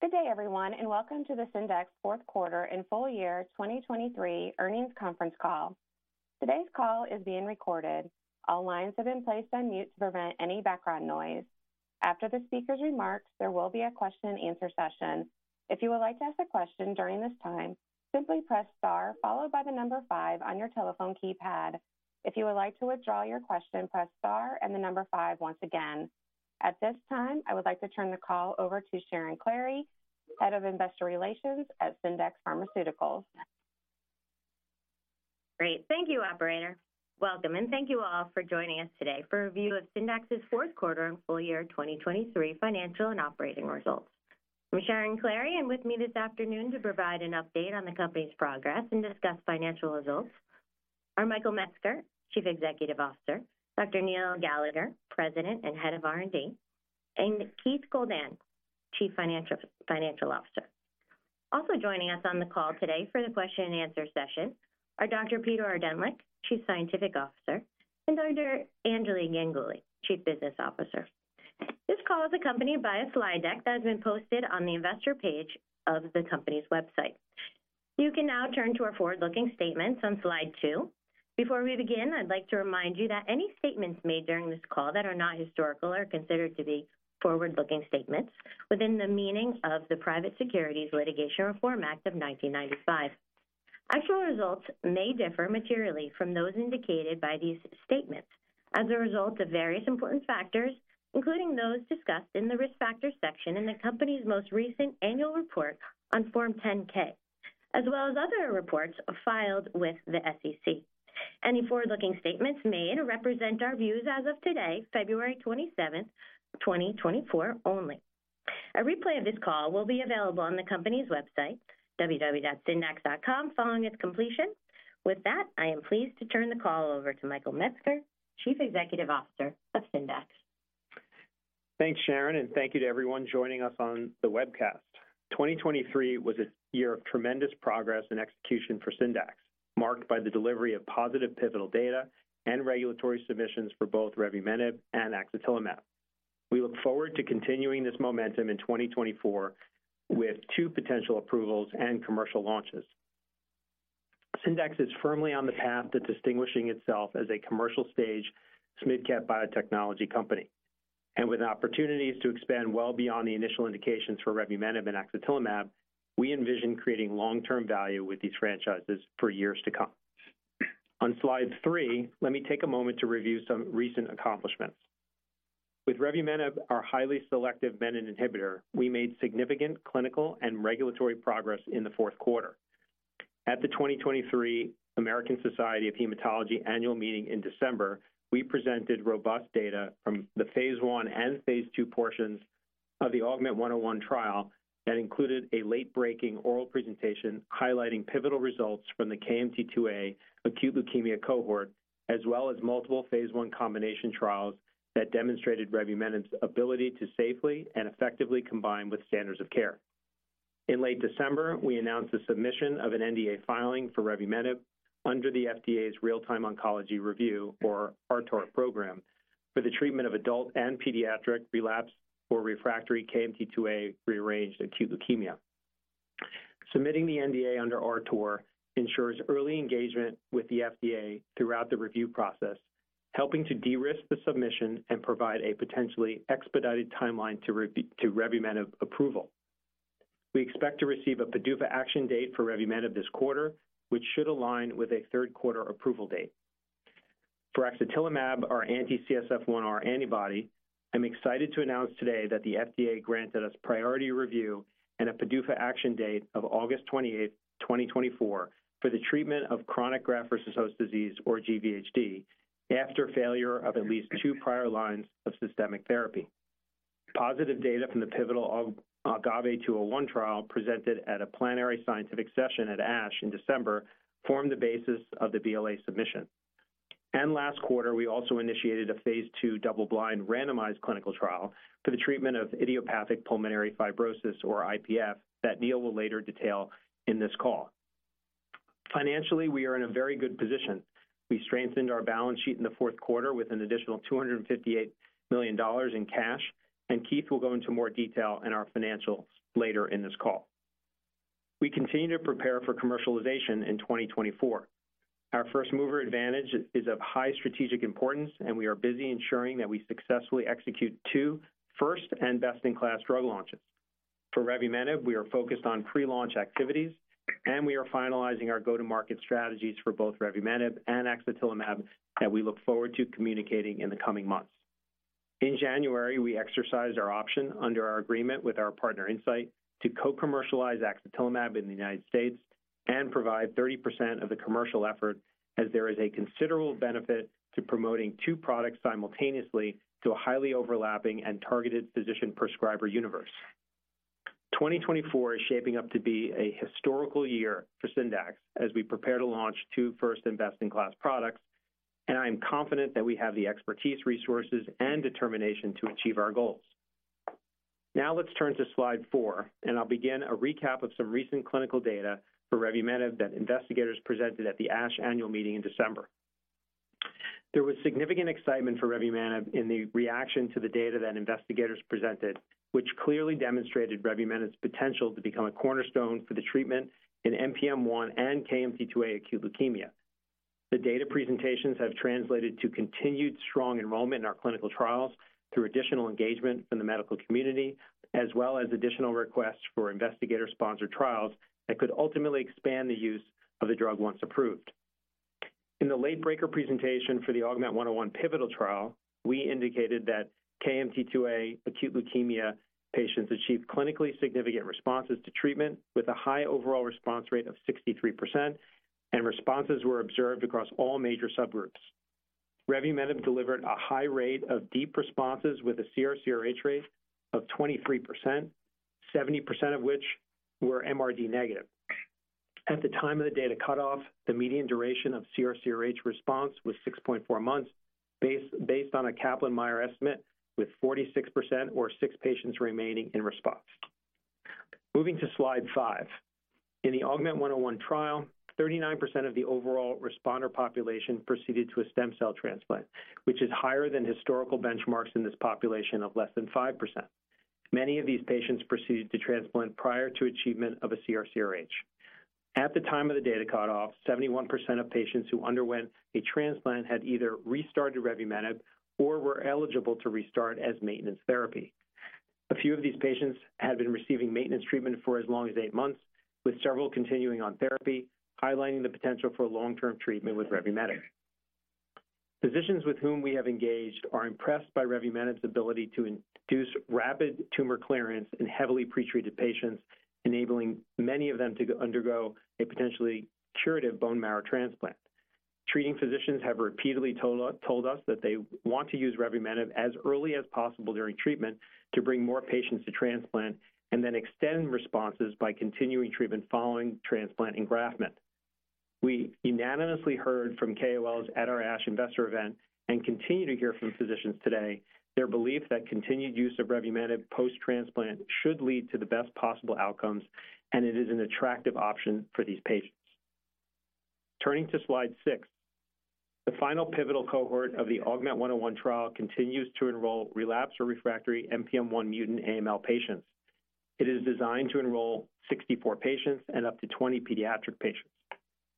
Good day, everyone, and welcome to the Syndax fourth quarter and full year 2023 earnings conference call. Today's call is being recorded. All lines have been placed on mute to prevent any background noise. After the speaker's remarks, there will be a question and answer session. If you would like to ask a question during this time, simply press star followed by the number 5 on your telephone keypad. If you would like to withdraw your question, press star and the number 5 once again. At this time, I would like to turn the call over to Sharon Klahre, Head of Investor Relations at Syndax Pharmaceuticals. Great. Thank you, operator. Welcome, and thank you all for joining us today for a review of Syndax's fourth quarter and full year 2023 financial and operating results. I'm Sharon Klahre, and with me this afternoon to provide an update on the company's progress and discuss financial results are Michael Metzger, Chief Executive Officer; Dr. Neil Gallagher, President and Head of R&D; and Keith Goldan, Chief Financial Officer. Also joining us on the call today for the question and answer session are Dr. Peter Ordentlich, Chief Scientific Officer, and Dr. Anjali Ganguli, Chief Business Officer. This call is accompanied by a slide deck that has been posted on the investor page of the company's website. You can now turn to our forward-looking statements on slide two. Before we begin, I'd like to remind you that any statements made during this call that are not historical are considered to be forward-looking statements within the meaning of the Private Securities Litigation Reform Act of 1995. Actual results may differ materially from those indicated by these statements as a result of various important factors, including those discussed in the Risk Factors section in the company's most recent annual report on Form 10-K, as well as other reports filed with the SEC. Any forward-looking statements made represent our views as of today, February 27th, 2024 only. A replay of this call will be available on the company's website, www.syndax.com, following its completion. With that, I am pleased to turn the call over to Michael Metzger, Chief Executive Officer of Syndax. Thanks, Sharon, and thank you to everyone joining us on the webcast. 2023 was a year of tremendous progress and execution for Syndax, marked by the delivery of positive pivotal data and regulatory submissions for both revumenib and axatilimab. We look forward to continuing this momentum in 2024 with two potential approvals and commercial launches. Syndax is firmly on the path to distinguishing itself as a commercial-stage mid-cap biotechnology company, and with opportunities to expand well beyond the initial indications for revumenib and axatilimab, we envision creating long-term value with these franchises for years to come. On slide 3, let me take a moment to review some recent accomplishments. With revumenib, our highly selective menin inhibitor, we made significant clinical and regulatory progress in the fourth quarter. At the 2023 American Society of Hematology annual meeting in December, we presented robust data from the phase 1 and phase 2 portions of the AUGMENT-101 trial that included a late-breaking oral presentation highlighting pivotal results from the KMT2A acute leukemia cohort, as well as multiple phase 1 combination trials that demonstrated revumenib's ability to safely and effectively combine with standards of care. In late December, we announced the submission of an NDA filing for revumenib under the FDA's Real-Time Oncology Review, or RTOR program, for the treatment of adult and pediatric relapsed or refractory KMT2A rearranged acute leukemia. Submitting the NDA under RTOR ensures early engagement with the FDA throughout the review process, helping to de-risk the submission and provide a potentially expedited timeline to revumenib approval. We expect to receive a PDUFA action date for revumenib this quarter, which should align with a third-quarter approval date. For axatilimab, our anti-CSF-1R antibody, I'm excited to announce today that the FDA granted us priority review and a PDUFA action date of August 28, 2024, for the treatment of chronic graft-versus-host disease, or GVHD, after failure of at least two prior lines of systemic therapy. Positive data from the pivotal AGAVE-201 trial, presented at a plenary scientific session at ASH in December, formed the basis of the BLA submission. Last quarter, we also initiated a phase 2 double-blind randomized clinical trial for the treatment of idiopathic pulmonary fibrosis, or IPF, that Neil will later detail in this call. Financially, we are in a very good position. We strengthened our balance sheet in the fourth quarter with an additional $258 million in cash, and Keith will go into more detail in our financials later in this call. We continue to prepare for commercialization in 2024. Our first-mover advantage is of high strategic importance, and we are busy ensuring that we successfully execute two first and best-in-class drug launches. For revumenib, we are focused on pre-launch activities, and we are finalizing our go-to-market strategies for both revumenib and axatilimab that we look forward to communicating in the coming months. In January, we exercised our option under our agreement with our partner, Incyte, to co-commercialize axatilimab in the United States and provide 30% of the commercial effort, as there is a considerable benefit to promoting two products simultaneously to a highly overlapping and targeted physician prescriber universe. 2024 is shaping up to be a historical year for Syndax as we prepare to launch two first and best-in-class products, and I am confident that we have the expertise, resources, and determination to achieve our goals. Now, let's turn to slide 4, and I'll begin a recap of some recent clinical data for revumenib that investigators presented at the ASH annual meeting in December... There was significant excitement for revumenib in the reaction to the data that investigators presented, which clearly demonstrated revumenib's potential to become a cornerstone for the treatment in NPM1 and KMT2A acute leukemia. The data presentations have translated to continued strong enrollment in our clinical trials through additional engagement from the medical community, as well as additional requests for investigator-sponsored trials that could ultimately expand the use of the drug once approved. In the late breaker presentation for the AUGMENT-101 pivotal trial, we indicated that KMT2A acute leukemia patients achieved clinically significant responses to treatment, with a high overall response rate of 63%, and responses were observed across all major subgroups. Revumenib delivered a high rate of deep responses, with a CR/CRh rate of 23%, 70% of which were MRD negative. At the time of the data cutoff, the median duration of CR/CRh response was 6.4 months, based on a Kaplan-Meier estimate, with 46% or 6 patients remaining in response. Moving to Slide 5. In the AUGMENT-101 trial, 39% of the overall responder population proceeded to a stem cell transplant, which is higher than historical benchmarks in this population of less than 5%. Many of these patients proceeded to transplant prior to achievement of a CR/CRh. At the time of the data cutoff, 71% of patients who underwent a transplant had either restarted revumenib or were eligible to restart as maintenance therapy. A few of these patients had been receiving maintenance treatment for as long as eight months, with several continuing on therapy, highlighting the potential for long-term treatment with revumenib. Physicians with whom we have engaged are impressed by revumenib's ability to induce rapid tumor clearance in heavily pretreated patients, enabling many of them to undergo a potentially curative bone marrow transplant. Treating physicians have repeatedly told us that they want to use revumenib as early as possible during treatment to bring more patients to transplant and then extend responses by continuing treatment following transplant engraftment. We unanimously heard from KOLs at our ASH investor event, and continue to hear from physicians today, their belief that continued use of revumenib post-transplant should lead to the best possible outcomes, and it is an attractive option for these patients. Turning to Slide 6. The final pivotal cohort of the AUGMENT-101 trial continues to enroll relapsed or refractory NPM1 mutant AML patients. It is designed to enroll 64 patients and up to 20 pediatric patients.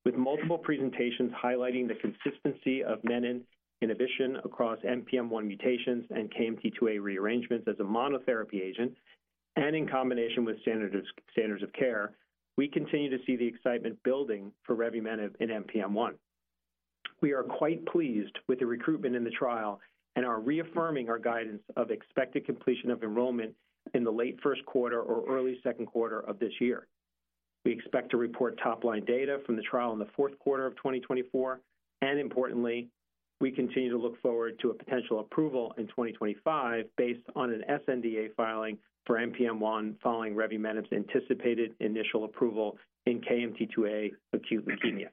With multiple presentations highlighting the consistency of menin inhibition across NPM1 mutations and KMT2A rearrangements as a monotherapy agent and in combination with standards of care, we continue to see the excitement building for revumenib in NPM1. We are quite pleased with the recruitment in the trial and are reaffirming our guidance of expected completion of enrollment in the late first quarter or early second quarter of this year. We expect to report top-line data from the trial in the fourth quarter of 2024, and importantly, we continue to look forward to a potential approval in 2025 based on an sNDA filing for NPM1, following revumenib's anticipated initial approval in KMT2A acute leukemia.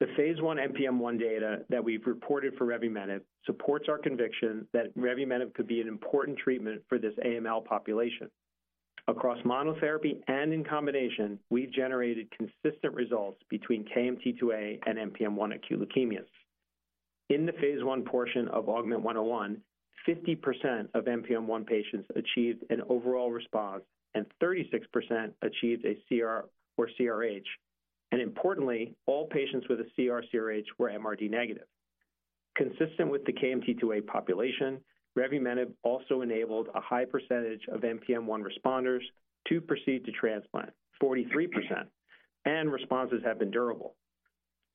The phase 1 NPM1 data that we've reported for revumenib supports our conviction that revumenib could be an important treatment for this AML population. Across monotherapy and in combination, we've generated consistent results between KMT2A and NPM1 acute leukemias. In the phase 1 portion of AUGMENT-101, 50% of NPM1 patients achieved an overall response, and 36% achieved a CR or CRh, and importantly, all patients with a CR/CRh were MRD negative. Consistent with the KMT2A population, revumenib also enabled a high percentage of NPM1 responders to proceed to transplant, 43%, and responses have been durable.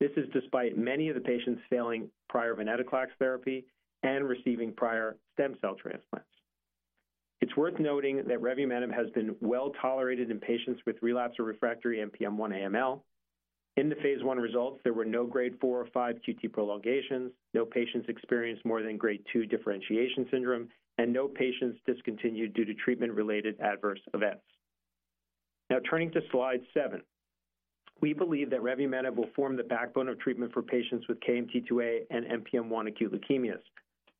This is despite many of the patients failing prior venetoclax therapy and receiving prior stem cell transplants. It's worth noting that revumenib has been well tolerated in patients with relapsed or refractory NPM1 AML. In the phase 1 results, there were no Grade 4 or 5 QT prolongations, no patients experienced more than Grade 2 differentiation syndrome, and no patients discontinued due to treatment-related adverse events. Now, turning to Slide 7. We believe that revumenib will form the backbone of treatment for patients with KMT2A and NPM1 acute leukemias.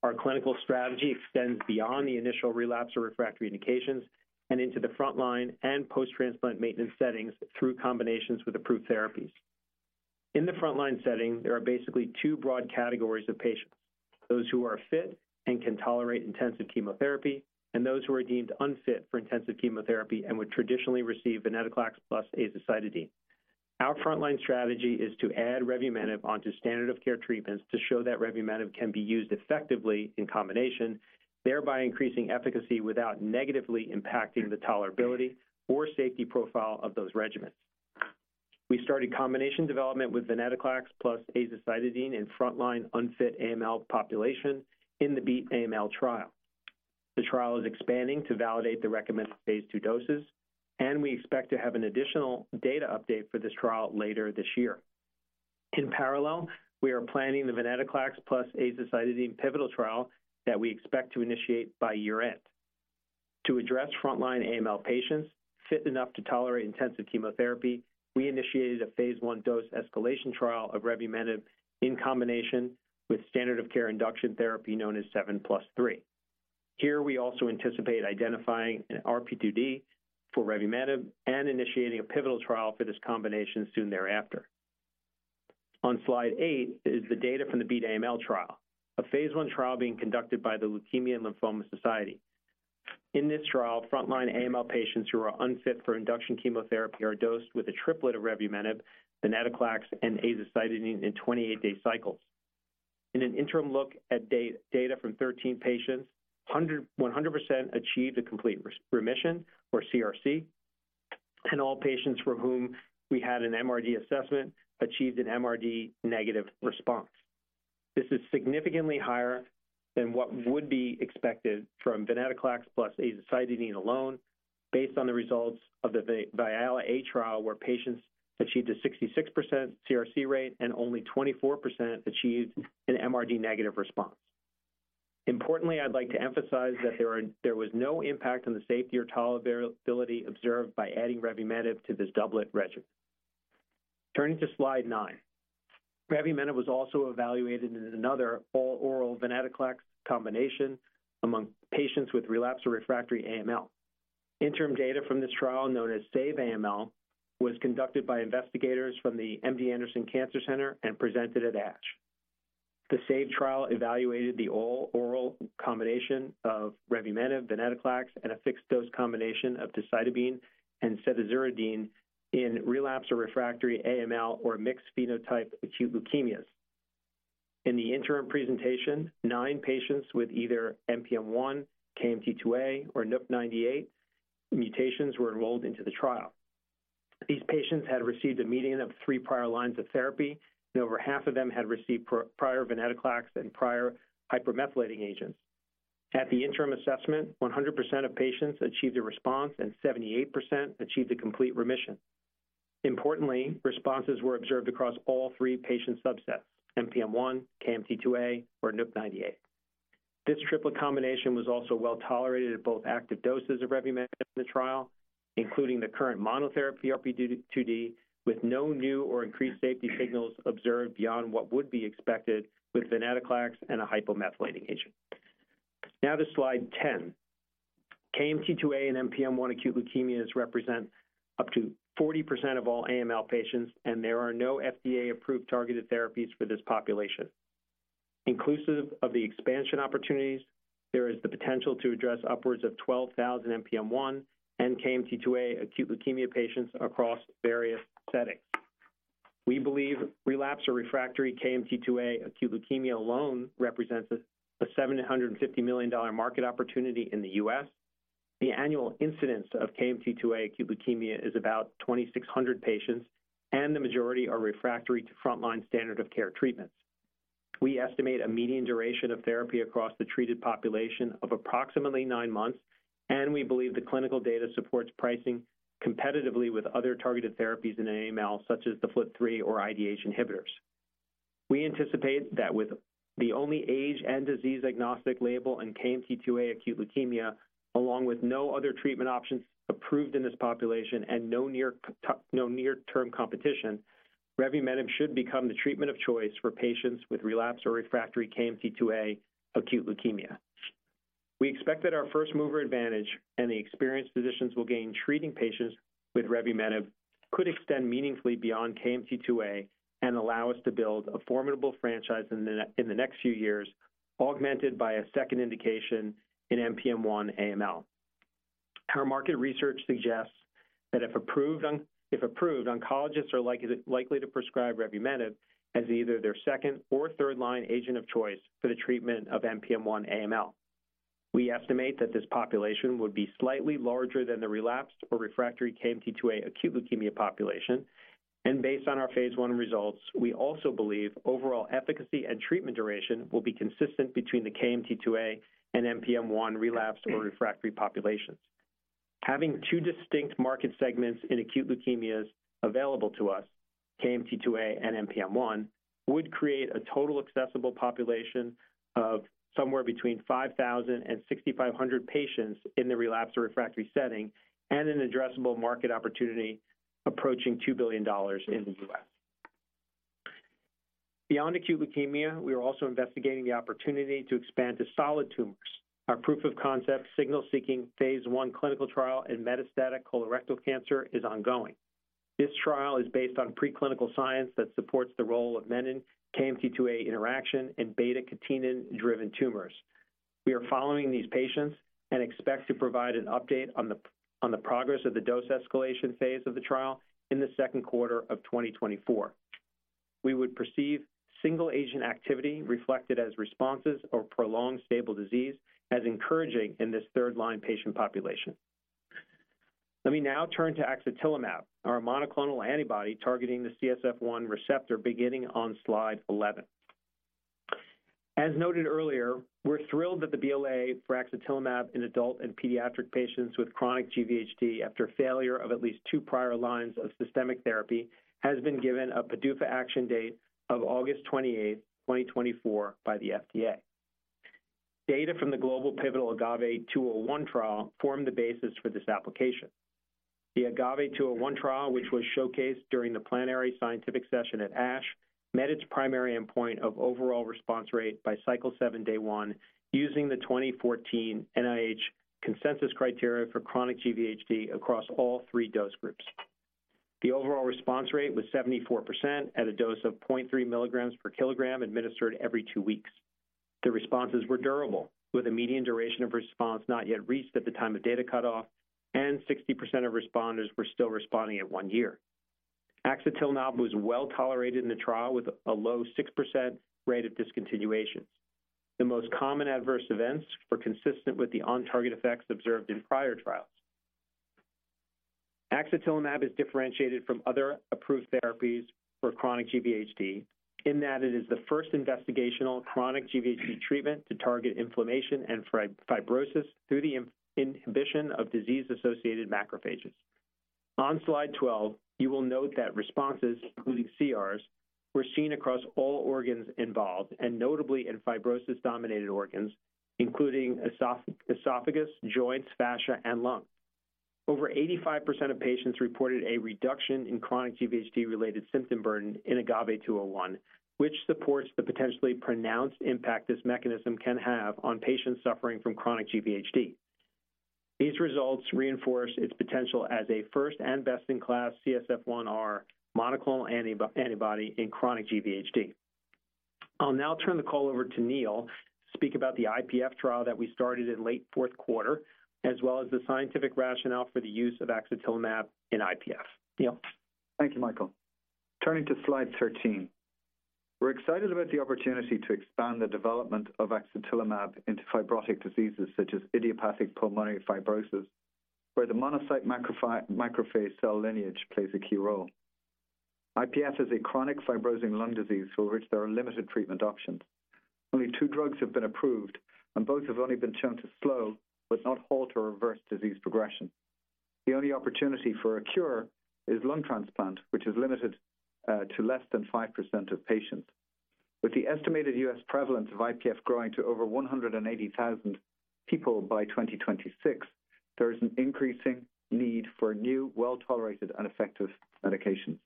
Our clinical strategy extends beyond the initial relapse or refractory indications and into the frontline and post-transplant maintenance settings through combinations with approved therapies. In the frontline setting, there are basically two broad categories of patients: those who are fit and can tolerate intensive chemotherapy, and those who are deemed unfit for intensive chemotherapy and would traditionally receive venetoclax plus azacitidine. Our frontline strategy is to add revumenib onto standard-of-care treatments to show that revumenib can be used effectively in combination, thereby increasing efficacy without negatively impacting the tolerability or safety profile of those regimens. We started combination development with venetoclax plus azacitidine in frontline unfit AML population in the Beat AML trial. The trial is expanding to validate the recommended phase 2 doses, and we expect to have an additional data update for this trial later this year. In parallel, we are planning the venetoclax plus azacitidine pivotal trial that we expect to initiate by year-end. To address frontline AML patients fit enough to tolerate intensive chemotherapy, we initiated a phase 1 dose-escalation trial of revumenib in combination with standard-of-care induction therapy, known as 7+3.... Here, we also anticipate identifying an RP2D for revumenib and initiating a pivotal trial for this combination soon thereafter. On Slide 8 is the data from the Beat AML trial, a phase 1 trial being conducted by the Leukemia & Lymphoma Society. In this trial, frontline AML patients who are unfit for induction chemotherapy are dosed with a triplet of revumenib, venetoclax, and azacitidine in 28-day cycles. In an interim look at data from 13 patients, 100% achieved a complete remission or CR/CRh, and all patients for whom we had an MRD assessment achieved an MRD negative response. This is significantly higher than what would be expected from venetoclax plus azacitidine alone, based on the results of the VIALE-A trial, where patients achieved a 66% CR/CRh rate and only 24% achieved an MRD negative response. Importantly, I'd like to emphasize that there was no impact on the safety or tolerability observed by adding revumenib to this doublet regimen. Turning to Slide 9. Revumenib was also evaluated in another all-oral venetoclax combination among patients with relapsed or refractory AML. Interim data from this trial, known as SAVE AML, was conducted by investigators from the MD Anderson Cancer Center and presented at ASH. The SAVE trial evaluated the all-oral combination of revumenib, venetoclax, and a fixed-dose combination of decitabine and cedazuridine in relapsed or refractory AML or mixed phenotype acute leukemias. In the interim presentation, 9 patients with either NPM1, KMT2A, or NUP98 mutations were enrolled into the trial. These patients had received a median of 3 prior lines of therapy, and over half of them had received prior venetoclax and prior hypomethylating agents. At the interim assessment, 100% of patients achieved a response, and 78% achieved a complete remission. Importantly, responses were observed across all three patient subsets, NPM1, KMT2A, or NUP98. This triplet combination was also well tolerated at both active doses of revumenib in the trial, including the current monotherapy RP2D, with no new or increased safety signals observed beyond what would be expected with venetoclax and a hypomethylating agent. Now to Slide 10. KMT2A and NPM1 acute leukemias represent up to 40% of all AML patients, and there are no FDA-approved targeted therapies for this population. Inclusive of the expansion opportunities, there is the potential to address upwards of 12,000 NPM1 and KMT2A acute leukemia patients across various settings. We believe relapsed or refractory KMT2A acute leukemia alone represents a, a $750 million market opportunity in the US. The annual incidence of KMT2A acute leukemia is about 2,600 patients, and the majority are refractory to frontline standard of care treatments. We estimate a median duration of therapy across the treated population of approximately nine months, and we believe the clinical data supports pricing competitively with other targeted therapies in AML, such as the FLT3 or IDH inhibitors. We anticipate that with the only age and disease-agnostic label in KMT2A acute leukemia, along with no other treatment options approved in this population and no near-term competition, revumenib should become the treatment of choice for patients with relapsed or refractory KMT2A acute leukemia. We expect that our first-mover advantage and the experienced physicians we'll gain treating patients with revumenib could extend meaningfully beyond KMT2A and allow us to build a formidable franchise in the next few years, augmented by a second indication in NPM1-AML. Our market research suggests that if approved, if approved, oncologists are likely to prescribe revumenib as either their second or third-line agent of choice for the treatment of NPM1-AML. We estimate that this population would be slightly larger than the relapsed or refractory KMT2A acute leukemia population, and based on our phase 1 results, we also believe overall efficacy and treatment duration will be consistent between the KMT2A and NPM1 relapsed or refractory populations. Having two distinct market segments in acute leukemias available to us, KMT2A and NPM1, would create a total accessible population of somewhere between 5,000 and 6,500 patients in the relapsed or refractory setting and an addressable market opportunity approaching $2 billion in the US. Beyond acute leukemia, we are also investigating the opportunity to expand to solid tumors. Our proof of concept, signal-seeking phase 1 clinical trial in metastatic colorectal cancer is ongoing. This trial is based on preclinical science that supports the role of menin, KMT2A interaction, and β-catenin-driven tumors. We are following these patients and expect to provide an update on the progress of the dose escalation phase of the trial in the second quarter of 2024. We would perceive single-agent activity reflected as responses or prolonged stable disease as encouraging in this third-line patient population. Let me now turn to axatilimab, our monoclonal antibody targeting the CSF-1R receptor, beginning on slide 11. As noted earlier, we're thrilled that the BLA for axatilimab in adult and pediatric patients with chronic GVHD after failure of at least two prior lines of systemic therapy, has been given a PDUFA action date of August 28, 2024 by the FDA. Data from the global pivotal AGAVE-201 trial formed the basis for this application. The AGAVE-201 trial, which was showcased during the Plenary Scientific Session at ASH, met its primary endpoint of overall response rate by cycle seven, day one, using the 2014 NIH consensus criteria for chronic GVHD across all three dose groups. The overall response rate was 74% at a dose of 0.3 mg/kg, administered every two weeks. The responses were durable, with a median duration of response not yet reached at the time of data cutoff, and 60% of responders were still responding at one year. Axatilimab was well tolerated in the trial, with a low 6% rate of discontinuation. The most common adverse events were consistent with the on-target effects observed in prior trials. Axatilimab is differentiated from other approved therapies for chronic GVHD in that it is the first investigational chronic GVHD treatment to target inflammation and fibrosis through the inhibition of disease-associated macrophages. On slide 12, you will note that responses, including CRs, were seen across all organs involved, and notably in fibrosis-dominated organs, including esophagus, joints, fascia, and lung. Over 85% of patients reported a reduction in chronic GVHD-related symptom burden in AGAVE-201, which supports the potentially pronounced impact this mechanism can have on patients suffering from chronic GVHD. These results reinforce its potential as a first and best-in-class CSF-1R monoclonal antibody in chronic GVHD. I'll now turn the call over to Neil to speak about the IPF trial that we started in late fourth quarter, as well as the scientific rationale for the use of axatilimab in IPF. Neil? Thank you, Michael. Turning to slide 13. We're excited about the opportunity to expand the development of axatilimab into fibrotic diseases such as idiopathic pulmonary fibrosis, where the monocyte macrophage cell lineage plays a key role. IPF is a chronic fibrosing lung disease for which there are limited treatment options. Only two drugs have been approved, and both have only been shown to slow, but not halt or reverse, disease progression. The only opportunity for a cure is lung transplant, which is limited to less than 5% of patients. With the estimated U.S. prevalence of IPF growing to over 180,000 people by 2026, there is an increasing need for new, well-tolerated, and effective medications.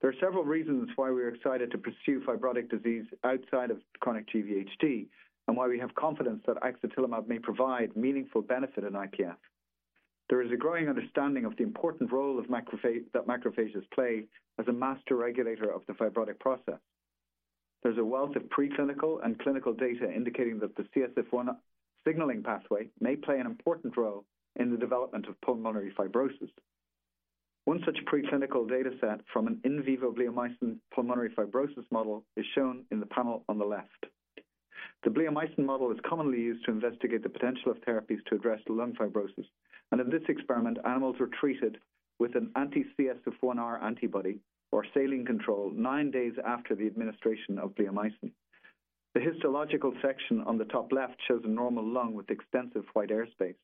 There are several reasons why we are excited to pursue fibrotic disease outside of chronic GVHD and why we have confidence that axatilimab may provide meaningful benefit in IPF. There is a growing understanding of the important role that macrophages play as a master regulator of the fibrotic process. There's a wealth of preclinical and clinical data indicating that the CSF-1 signaling pathway may play an important role in the development of pulmonary fibrosis. One such preclinical data set from an in vivo bleomycin pulmonary fibrosis model is shown in the panel on the left. The bleomycin model is commonly used to investigate the potential of therapies to address lung fibrosis, and in this experiment, animals were treated with an anti-CSF-1R antibody or saline control nine days after the administration of bleomycin. The histological section on the top left shows a normal lung with extensive white airspace.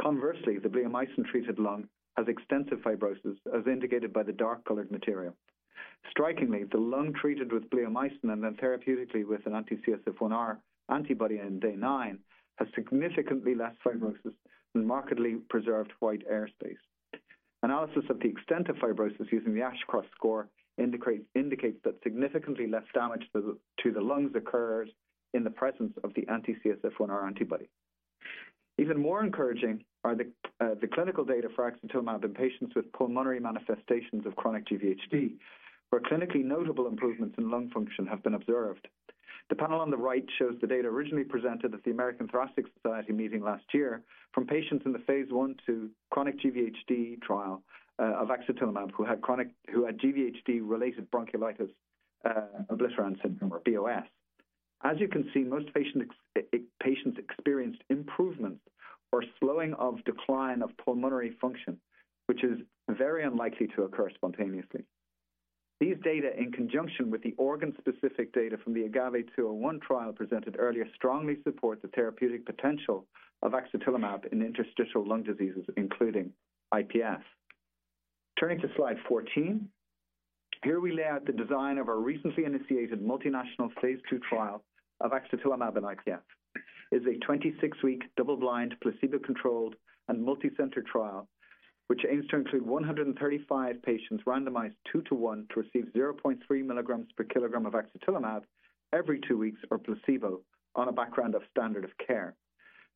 Conversely, the bleomycin-treated lung has extensive fibrosis, as indicated by the dark-colored material. Strikingly, the lung treated with bleomycin and then therapeutically with an anti-CSF-1R antibody on day nine has significantly less fibrosis and markedly preserved white airspace. Analysis of the extent of fibrosis using the Ashcroft score indicates that significantly less damage to the lungs occurs in the presence of the anti-CSF-1R antibody. Even more encouraging are the clinical data for axatilimab in patients with pulmonary manifestations of chronic GVHD, where clinically notable improvements in lung function have been observed. The panel on the right shows the data originally presented at the American Thoracic Society meeting last year from patients in the phase 1/2 chronic GVHD trial of axatilimab, who had GVHD-related bronchiolitis obliterans syndrome, or BOS. As you can see, most patients experienced improvement or slowing of decline of pulmonary function, which is very unlikely to occur spontaneously. These data, in conjunction with the organ-specific data from the AGAVE-201 trial presented earlier, strongly support the therapeutic potential of axatilimab in interstitial lung diseases, including IPF. Turning to slide 14. Here we lay out the design of our recently initiated multinational phase 2 trial of axatilimab in IPF. It's a 26-week, double-blind, placebo-controlled, and multicenter trial, which aims to include 135 patients randomized 2 to 1 to receive 0.3 mg/kg of axatilimab every 2 weeks or placebo on a background of standard of care.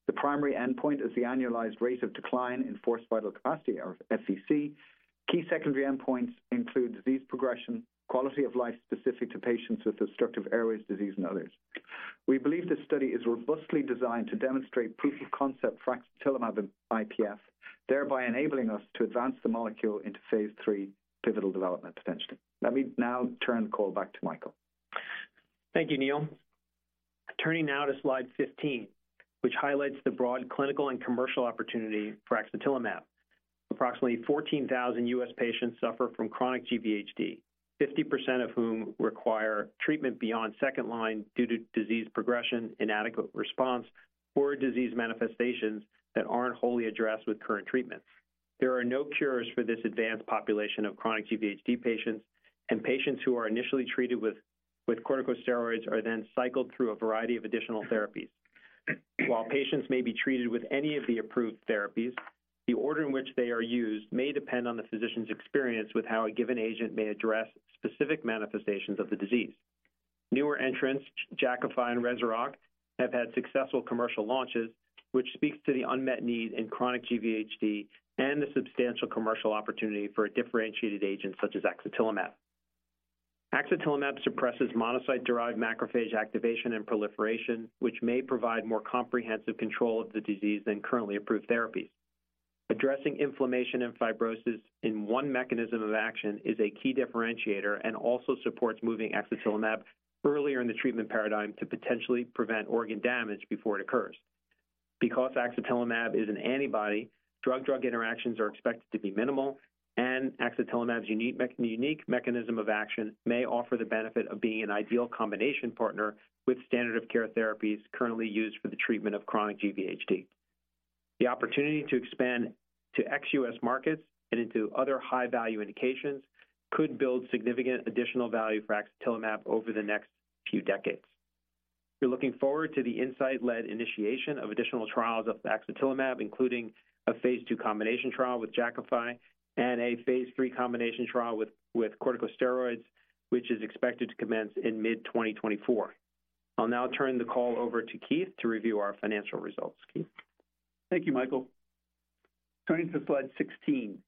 The primary endpoint is the annualized rate of decline in forced vital capacity, or FVC. Key secondary endpoints include disease progression, quality of life specific to patients with obstructive airways disease, and others. We believe this study is robustly designed to demonstrate proof of concept for axatilimab in IPF, thereby enabling us to advance the molecule into phase 3 pivotal development, potentially. Let me now turn the call back to Michael. Thank you, Neil. Turning now to slide 15, which highlights the broad clinical and commercial opportunity for axatilimab. Approximately 14,000 U.S. patients suffer from chronic GVHD, 50% of whom require treatment beyond second line due to disease progression, inadequate response, or disease manifestations that aren't wholly addressed with current treatments. There are no cures for this advanced population of chronic GVHD patients, and patients who are initially treated with corticosteroids are then cycled through a variety of additional therapies. While patients may be treated with any of the approved therapies, the order in which they are used may depend on the physician's experience with how a given agent may address specific manifestations of the disease. Newer entrants, Jakafi and Rezurock, have had successful commercial launches, which speaks to the unmet need in chronic GVHD and the substantial commercial opportunity for a differentiated agent such as axatilimab. Axatilimab suppresses monocyte-derived macrophage activation and proliferation, which may provide more comprehensive control of the disease than currently approved therapies. Addressing inflammation and fibrosis in one mechanism of action is a key differentiator and also supports moving axatilimab earlier in the treatment paradigm to potentially prevent organ damage before it occurs. Because axatilimab is an antibody, drug-drug interactions are expected to be minimal, and axatilimab's unique mechanism of action may offer the benefit of being an ideal combination partner with standard of care therapies currently used for the treatment of chronic GVHD. The opportunity to expand to ex-US markets and into other high-value indications could build significant additional value for axatilimab over the next few decades. We're looking forward to the Incyte-led initiation of additional trials of axatilimab, including a phase II combination trial with Jakafi and a phase III combination trial with corticosteroids, which is expected to commence in mid-2024. I'll now turn the call over to Keith to review our financial results. Keith? Thank you, Michael. Turning to slide 16.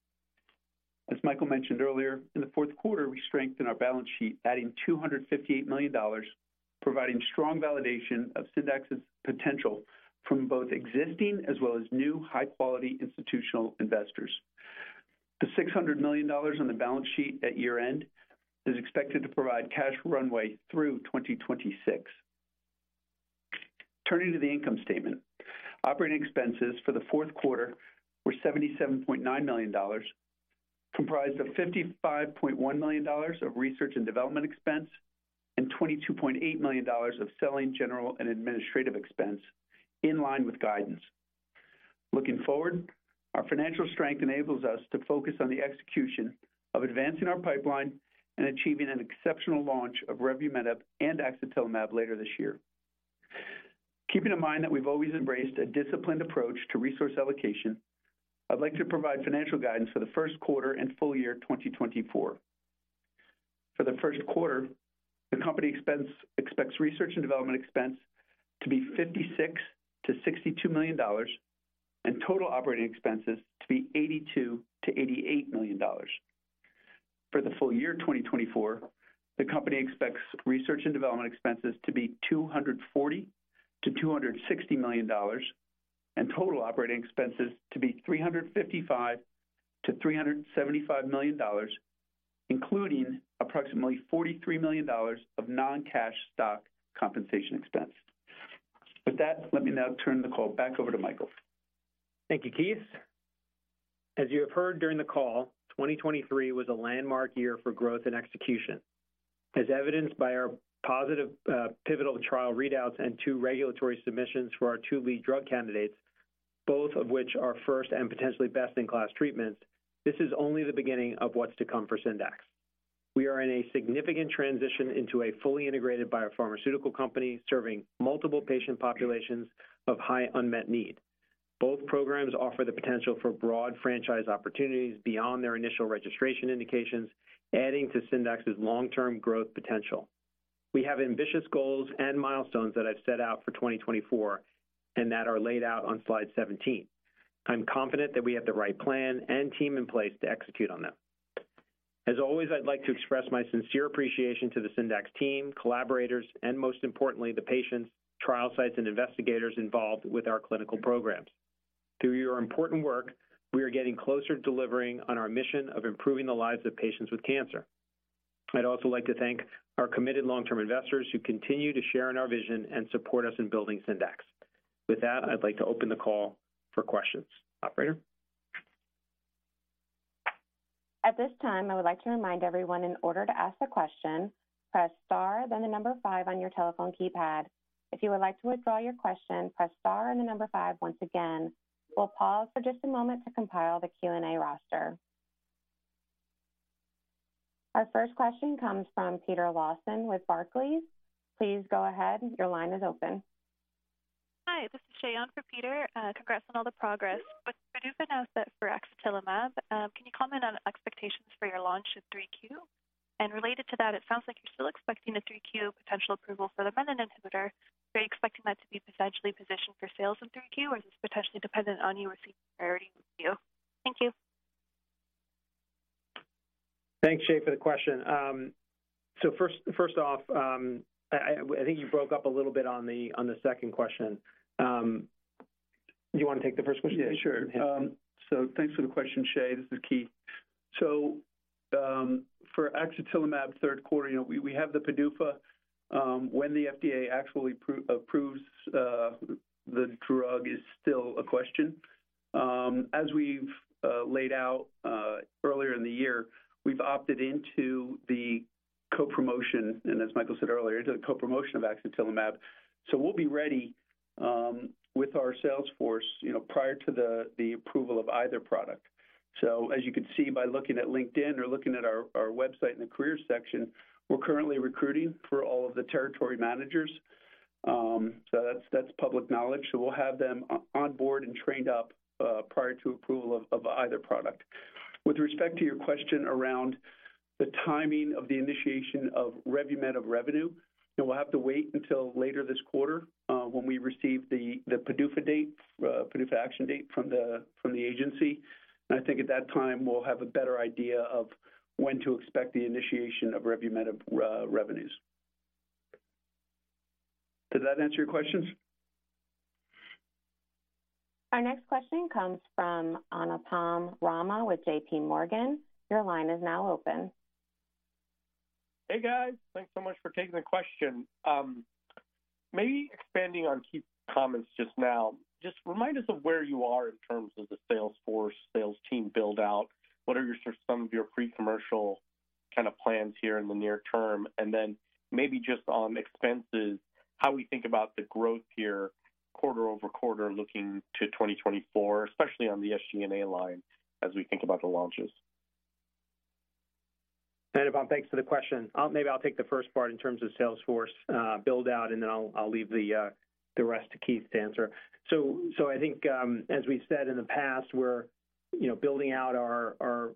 As Michael mentioned earlier, in the fourth quarter, we strengthened our balance sheet, adding $258 million, providing strong validation of Syndax's potential from both existing as well as new, high-quality institutional investors. The $600 million on the balance sheet at year-end is expected to provide cash runway through 2026. Turning to the income statement. Operating expenses for the fourth quarter were $77.9 million, comprised of $55.1 million of research and development expense and $22.8 million of selling, general, and administrative expense, in line with guidance. Looking forward, our financial strength enables us to focus on the execution of advancing our pipeline and achieving an exceptional launch of revumenib and axatilimab later this year. Keeping in mind that we've always embraced a disciplined approach to resource allocation, I'd like to provide financial guidance for the first quarter and full year 2024. For the first quarter, the company expects research and development expense to be $56 million-$62 million, and total operating expenses to be $82 million-$88 million. For the full year 2024, the company expects research and development expenses to be $240 million-$260 million, and total operating expenses to be $355 million-$375 million, including approximately $43 million of non-cash stock compensation expense. With that, let me now turn the call back over to Michael. Thank you, Keith. As you have heard during the call, 2023 was a landmark year for growth and execution. As evidenced by our positive pivotal trial readouts and two regulatory submissions for our two lead drug candidates, both of which are first and potentially best-in-class treatments, this is only the beginning of what's to come for Syndax. We are in a significant transition into a fully integrated biopharmaceutical company, serving multiple patient populations of high unmet need. Both programs offer the potential for broad franchise opportunities beyond their initial registration indications, adding to Syndax's long-term growth potential. We have ambitious goals and milestones that I've set out for 2024 and that are laid out on slide 17. I'm confident that we have the right plan and team in place to execute on them. As always, I'd like to express my sincere appreciation to the Syndax team, collaborators, and most importantly, the patients, trial sites, and investigators involved with our clinical programs. Through your important work, we are getting closer to delivering on our mission of improving the lives of patients with cancer. I'd also like to thank our committed long-term investors, who continue to share in our vision and support us in building Syndax. With that, I'd like to open the call for questions. Operator? At this time, I would like to remind everyone, in order to ask a question, press star, then 5 on your telephone keypad. If you would like to withdraw your question, press star and 5 once again. We'll pause for just a moment to compile the Q&A roster. Our first question comes from Peter Lawson with Barclays. Please go ahead. Your line is open. Hi, this is Shayan for Peter. Congrats on all the progress. With PDUFA announcement for axatilimab, can you comment on expectations for your launch in 3Q? And related to that, it sounds like you're still expecting a 3Q potential approval for the revumenib inhibitor. Are you expecting that to be potentially positioned for sales in 3Q, or is this potentially dependent on U.S. priority review? Thank you. Thanks, Shayan, for the question. So first off, I think you broke up a little bit on the second question. Do you want to take the first question? Yeah, sure. So thanks for the question, Shay. This is Keith. So, for axatilimab third quarter, you know, we have the PDUFA. When the FDA actually approves the drug is still a question. As we've laid out earlier in the year, we've opted into the co-promotion, and as Michael said earlier, into the co-promotion of axatilimab. So we'll be ready with our sales force, you know, prior to the approval of either product. So as you can see by looking at LinkedIn or looking at our website in the career section, we're currently recruiting for all of the territory managers. So that's public knowledge. So we'll have them on board and trained up prior to approval of either product. With respect to your question around the timing of the initiation of revumenib revenue, and we'll have to wait until later this quarter, when we receive the PDUFA date, PDUFA action date from the agency. And I think at that time, we'll have a better idea of when to expect the initiation of revumenib revenues. Did that answer your questions? Our next question comes from Anupam Rama with JP Morgan. Your line is now open. Hey, guys. Thanks so much for taking the question. Maybe expanding on Keith's comments just now, just remind us of where you are in terms of the sales force, sales team build-out. What are your sort of some of your pre-commercial kind of plans here in the near term? And then maybe just on expenses, how we think about the growth here, quarter-over-quarter, looking to 2024, especially on the SG&A line, as we think about the launches. Anupam, thanks for the question. Maybe I'll take the first part in terms of sales force build-out, and then I'll leave the rest to Keith to answer. So I think, as we've said in the past, we're, you know, building out our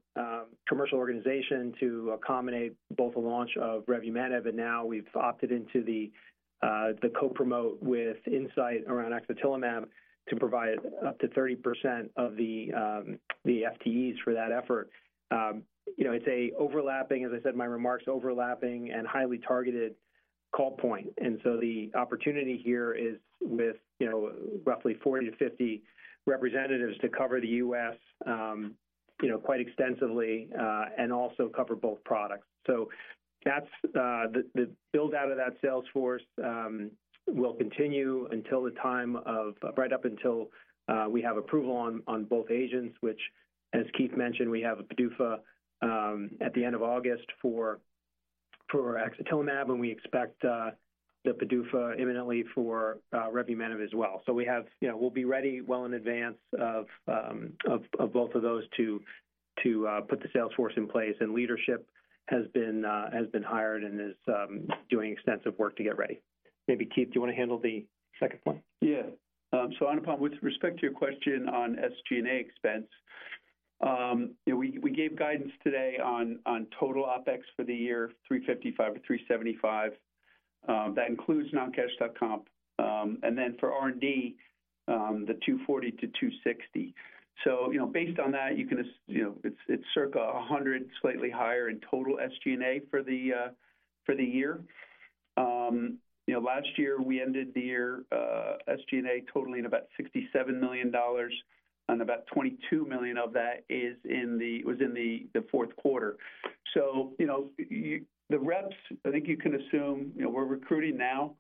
commercial organization to accommodate both the launch of revumenib, and now we've opted into the co-promote with Incyte around axatilimab to provide up to 30% of the FTEs for that effort. You know, it's a overlapping, as I said, my remarks, overlapping and highly targeted call point. And so the opportunity here is with, you know, roughly 40-50 representatives to cover the U.S., you know, quite extensively, and also cover both products. So that's the build-out of that sales force will continue until the time of right up until we have approval on both agents, which, as Keith mentioned, we have a PDUFA at the end of August for axatilimab, and we expect the PDUFA imminently for revumenib as well. So we have. You know, we'll be ready well in advance of both of those to put the sales force in place, and leadership has been hired and is doing extensive work to get ready. Maybe, Keith, do you want to handle the second point? Yeah. So Anupam, with respect to your question on SG&A expense, you know, we gave guidance today on total OpEx for the year, $355-$375. That includes non-cash stock comp. And then for R&D, the $240-$260. So, you know, based on that, you can, you know, it's circa 100, slightly higher in total SG&A for the year. You know, last year, we ended the year, SG&A totaling about $67 million, and about $22 million of that was in the fourth quarter. So, you know, the reps, I think you can assume, you know, we're recruiting now.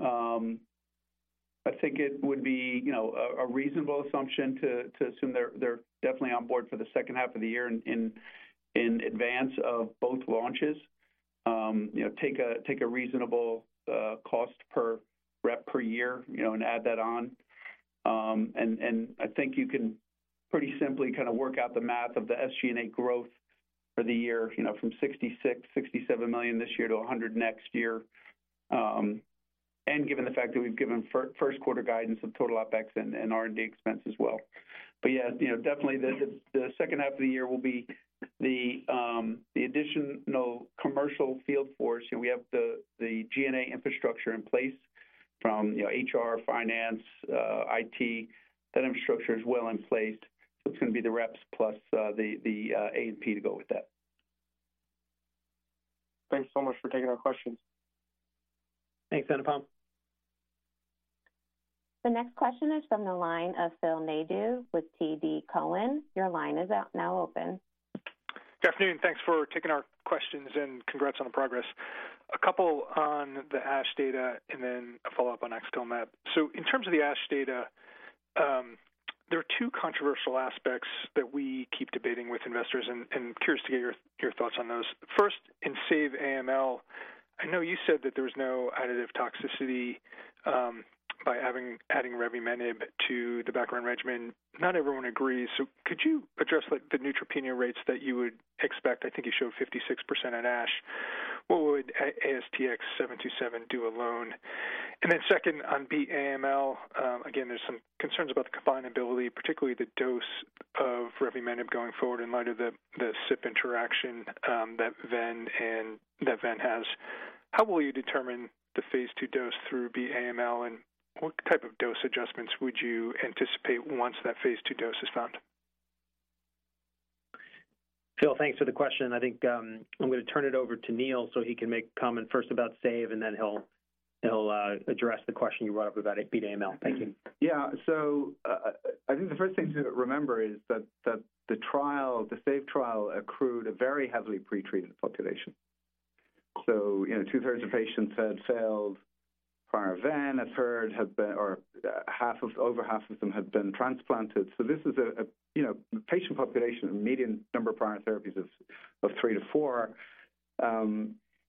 I think it would be, you know, a reasonable assumption to assume they're definitely on board for the second half of the year in advance of both launches. You know, take a reasonable cost per rep per year, you know, and add that on. And I think you can pretty simply kind of work out the math of the SG&A growth for the year, you know, from $66-$67 million this year to $100 million next year. And given the fact that we've given first quarter guidance of total OpEx and R&D expense as well. But, yeah, you know, definitely the second half of the year will be the additional commercial field force. You know, we have the G&A infrastructure in place from, you know, HR, finance, IT. That infrastructure is well in place, so it's going to be the reps plus the A&P to go with that. Thanks so much for taking our questions. Thanks, Anupam. The next question is from the line of Phil Nadeau with TD Cowen. Your line is now open. Good afternoon, thanks for taking our questions, and congrats on the progress. A couple on the ASH data and then a follow-up on axatilimab. So in terms of the ASH data, there are two controversial aspects that we keep debating with investors, and curious to get your thoughts on those. First, in SAVE AML, I know you said that there was no additive toxicity by adding revumenib to the background regimen. Not everyone agrees, so could you address, like, the neutropenia rates that you would expect? I think you showed 56% at ASH. What would ASTX727 do alone? And then second, on Beat AML, again, there's some concerns about the combinability, particularly the dose of revumenib going forward in light of the CYP interaction that ven has. How will you determine the phase II dose through Beat AML, and what type of dose adjustments would you anticipate once that phase II dose is found? Phil, thanks for the question. I think, I'm going to turn it over to Neil, so he can make a comment first about SAVE, and then he'll address the question you brought up about Beat AML. Thank you. Yeah. So, I think the first thing to remember is that the trial, the SAVE trial, accrued a very heavily pretreated population. So, you know, two-thirds of patients had failed prior ven, a third had been... Or half of, over half of them had been transplanted. So this is a, you know, patient population, a median number of prior therapies of 3-4....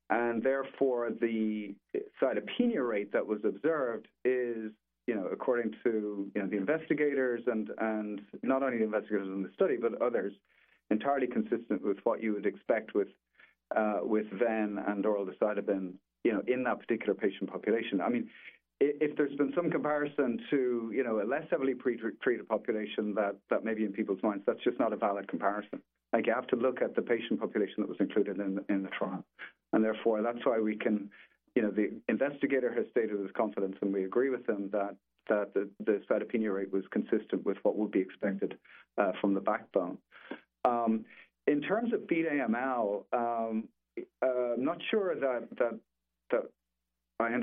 and therefore, the cytopenia rate that was observed is, you know, according to, you know, the investigators and not only the investigators in the study, but others, entirely consistent with what you would expect with ven and oral decitabine, you know, in that particular patient population. I mean, if there's been some comparison to, you know, a less heavily pre-treated population that may be in people's minds, that's just not a valid comparison. Like, you have to look at the patient population that was included in the trial, and therefore, that's why we can... You know, the investigator has stated with confidence, and we agree with him, that the cytopenia rate was consistent with what would be expected from the backbone. In terms of Beat AML, not sure that I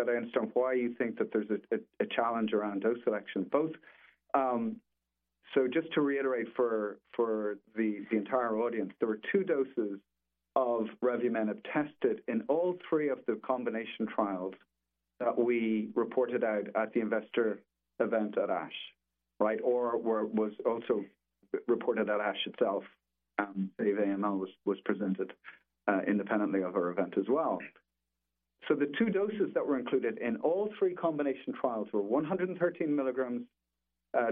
understand why you think that there's a challenge around dose selection. Both. So just to reiterate for the entire audience, there were two doses of revumenib tested in all three of the combination trials that we reported out at the investor event at ASH, right? Or was also reported at ASH itself, SAVE AML was presented independently of our event as well. So the two doses that were included in all three combination trials were 113 milligrams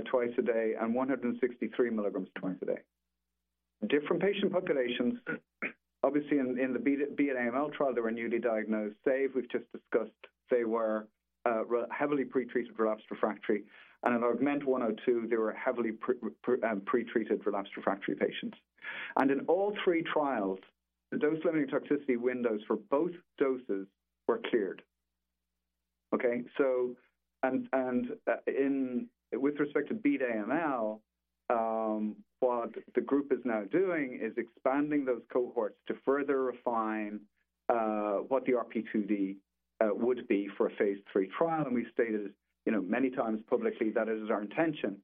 twice a day, and 163 milligrams twice a day. Different patient populations, obviously, in the Beat AML trial, they were newly diagnosed. As we've just discussed, they were heavily pretreated relapsed refractory, and in AUGMENT-102, they were heavily pretreated relapsed refractory patients. And in all three trials, the dose-limiting toxicity windows for both doses were cleared, okay? So, in with respect to Beat AML, what the group is now doing is expanding those cohorts to further refine what the RP2D would be for a phase III trial. And we've stated, you know, many times publicly, that it is our intention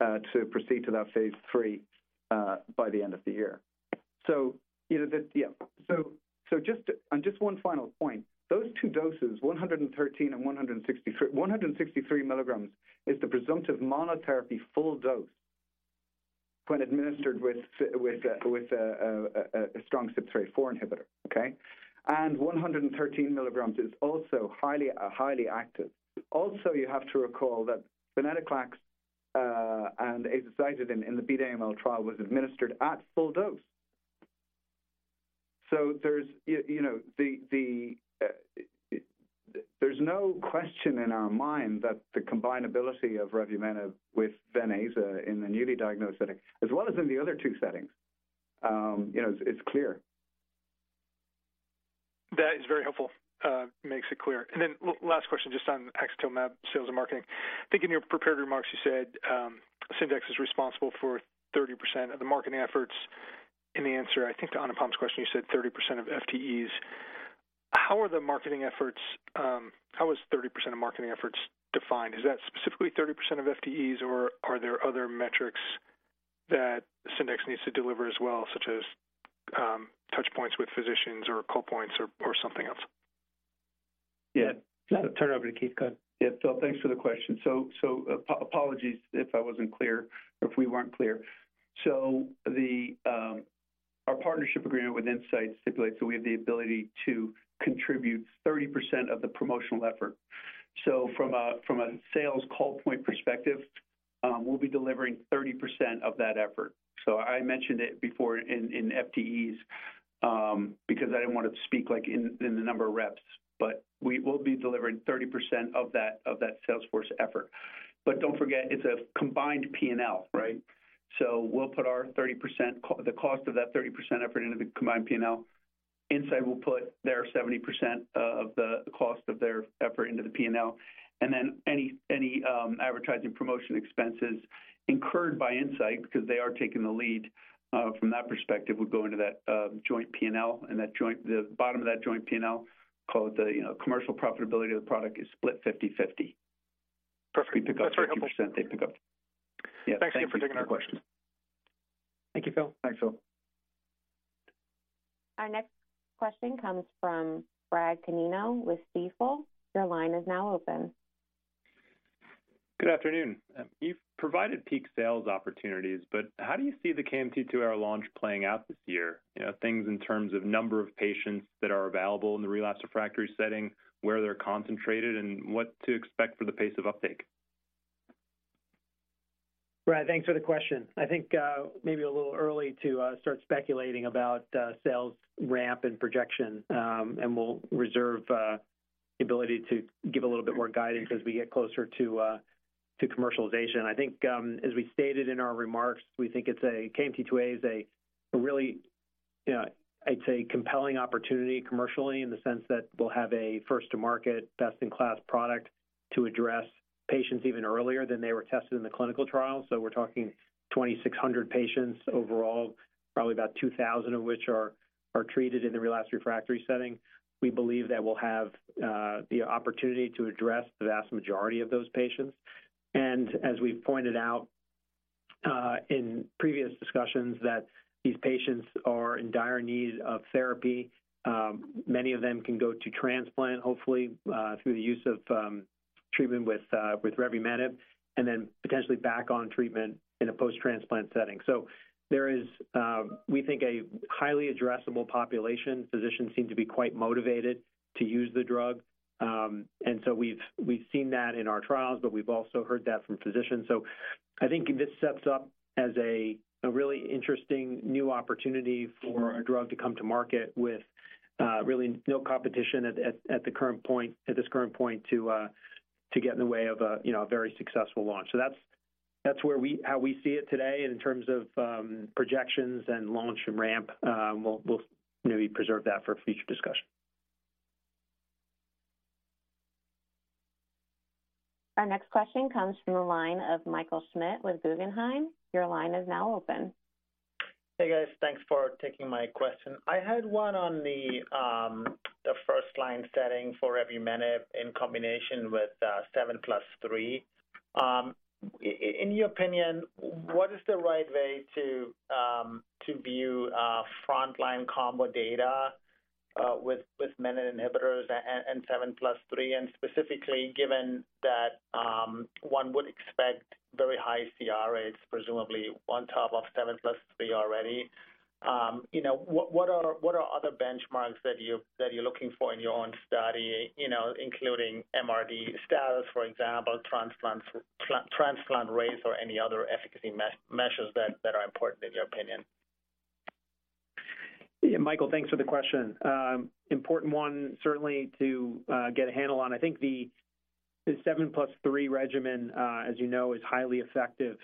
to proceed to that phase III by the end of the year. So, you know, the... Yeah. So, just to and just one final point, those two doses, 113 and 163. 163 mg is the presumptive monotherapy full dose when administered with a strong CYP3A4 inhibitor, okay? And 113 mg is also highly active. Also, you have to recall that venetoclax and azacitidine in the Beat AML trial was administered at full dose. So there's, you know, the, there's no question in our mind that the combinability of revumenib with venaza in the newly diagnosed setting, as well as in the other two settings, you know, it's clear. That is very helpful, makes it clear. And then last question, just on axatilimab sales and marketing. I think in your prepared remarks, you said, Syndax is responsible for 30% of the marketing efforts. In the answer, I think, to Anupam's question, you said 30% of FTEs. How are the marketing efforts, how is 30% of marketing efforts defined? Is that specifically 30% of FTEs, or are there other metrics that Syndax needs to deliver as well, such as, touchpoints with physicians or call points or, or something else? Yeah. I'll turn it over to Keith. Go ahead. Yeah. Phil, thanks for the question. So apologies if I wasn't clear or if we weren't clear. So the our partnership agreement with Incyte stipulates that we have the ability to contribute 30% of the promotional effort. So from a sales call point perspective, we'll be delivering 30% of that effort. So I mentioned it before in FTEs because I didn't want to speak, like, in the number of reps, but we will be delivering 30% of that, of that salesforce effort. But don't forget, it's a combined P&L, right? So we'll put our 30% the cost of that 30% effort into the combined P&L. Incyte will put their 70% of the cost of their effort into the P&L, and then any advertising promotion expenses incurred by Incyte, because they are taking the lead from that perspective, would go into that joint P&L. That joint P&L, the bottom of that joint P&L, called the, you know, commercial profitability of the product, is split 50/50. Perfect. We pick up 50%, they pick up- Thanks for taking our question. Thank you, Phil. Thanks, Phil. Our next question comes from Brad Canino with Stifel. Your line is now open. Good afternoon. You've provided peak sales opportunities, but how do you see the KMT2A launch playing out this year? You know, things in terms of number of patients that are available in the relapsed refractory setting, where they're concentrated, and what to expect for the pace of uptake. Brad, thanks for the question. I think, maybe a little early to start speculating about sales ramp and projection. And we'll reserve the ability to give a little bit more guidance as we get closer to to commercialization. I think, as we stated in our remarks, we think it's a KMT2A is a really, I'd say, compelling opportunity commercially, in the sense that we'll have a first-to-market, best-in-class product to address patients even earlier than they were tested in the clinical trial. So we're talking 2,600 patients overall, probably about 2,000 of which are treated in the relapsed refractory setting. We believe that we'll have the opportunity to address the vast majority of those patients. And as we've pointed out in previous discussions, that these patients are in dire need of therapy. Many of them can go to transplant, hopefully, through the use of treatment with revumenib, and then potentially back on treatment in a post-transplant setting. So there is, we think, a highly addressable population. Physicians seem to be quite motivated to use the drug. And so we've seen that in our trials, but we've also heard that from physicians. So I think this sets up as a really interesting new opportunity for our drug to come to market with really no competition at this current point to get in the way of, you know, a very successful launch. So that's how we see it today in terms of projections and launch and ramp. We'll maybe preserve that for a future discussion. Our next question comes from the line of Michael Schmidt with Guggenheim. Your line is now open. Hey, guys. Thanks for taking my question. I had one on the first line setting for revumenib in combination with 7+3. In your opinion, what is the right way to view frontline combo data with menin inhibitors and 7+3, and specifically, given that one would expect very high CR rates, presumably on top of 7+3 already? You know, what are other benchmarks that you're looking for in your own study, you know, including MRD status, for example, transplant rates or any other efficacy measures that are important in your opinion? Yeah, Michael, thanks for the question. Important one, certainly to get a handle on. I think the 7+3 regimen, as you know, is highly effective,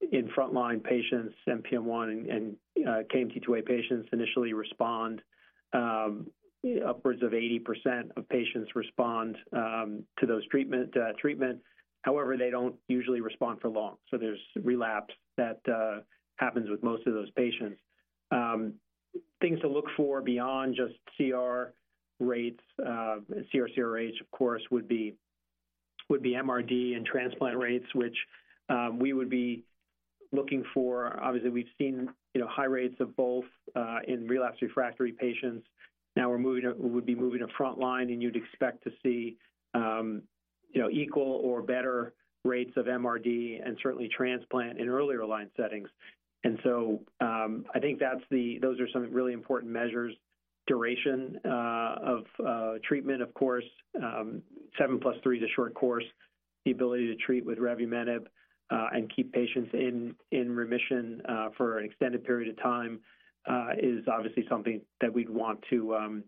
in frontline patients, NPM1 and KMT2A patients initially respond, upwards of 80% of patients respond, to those treatments. However, they don't usually respond for long, so there's relapse that happens with most of those patients. Things to look for beyond just CR rates, CR/CR rates, of course, would be MRD and transplant rates, which we would be looking for. Obviously, we've seen, you know, high rates of both, in relapsed refractory patients. Now we're moving to we would be moving to frontline, and you'd expect to see, you know, equal or better rates of MRD and certainly transplant in earlier line settings. I think that's the—those are some really important measures. Duration of treatment, of course. 7+3 is a short course. The ability to treat with revumenib and keep patients in remission for an extended period of time is obviously something that we'd want to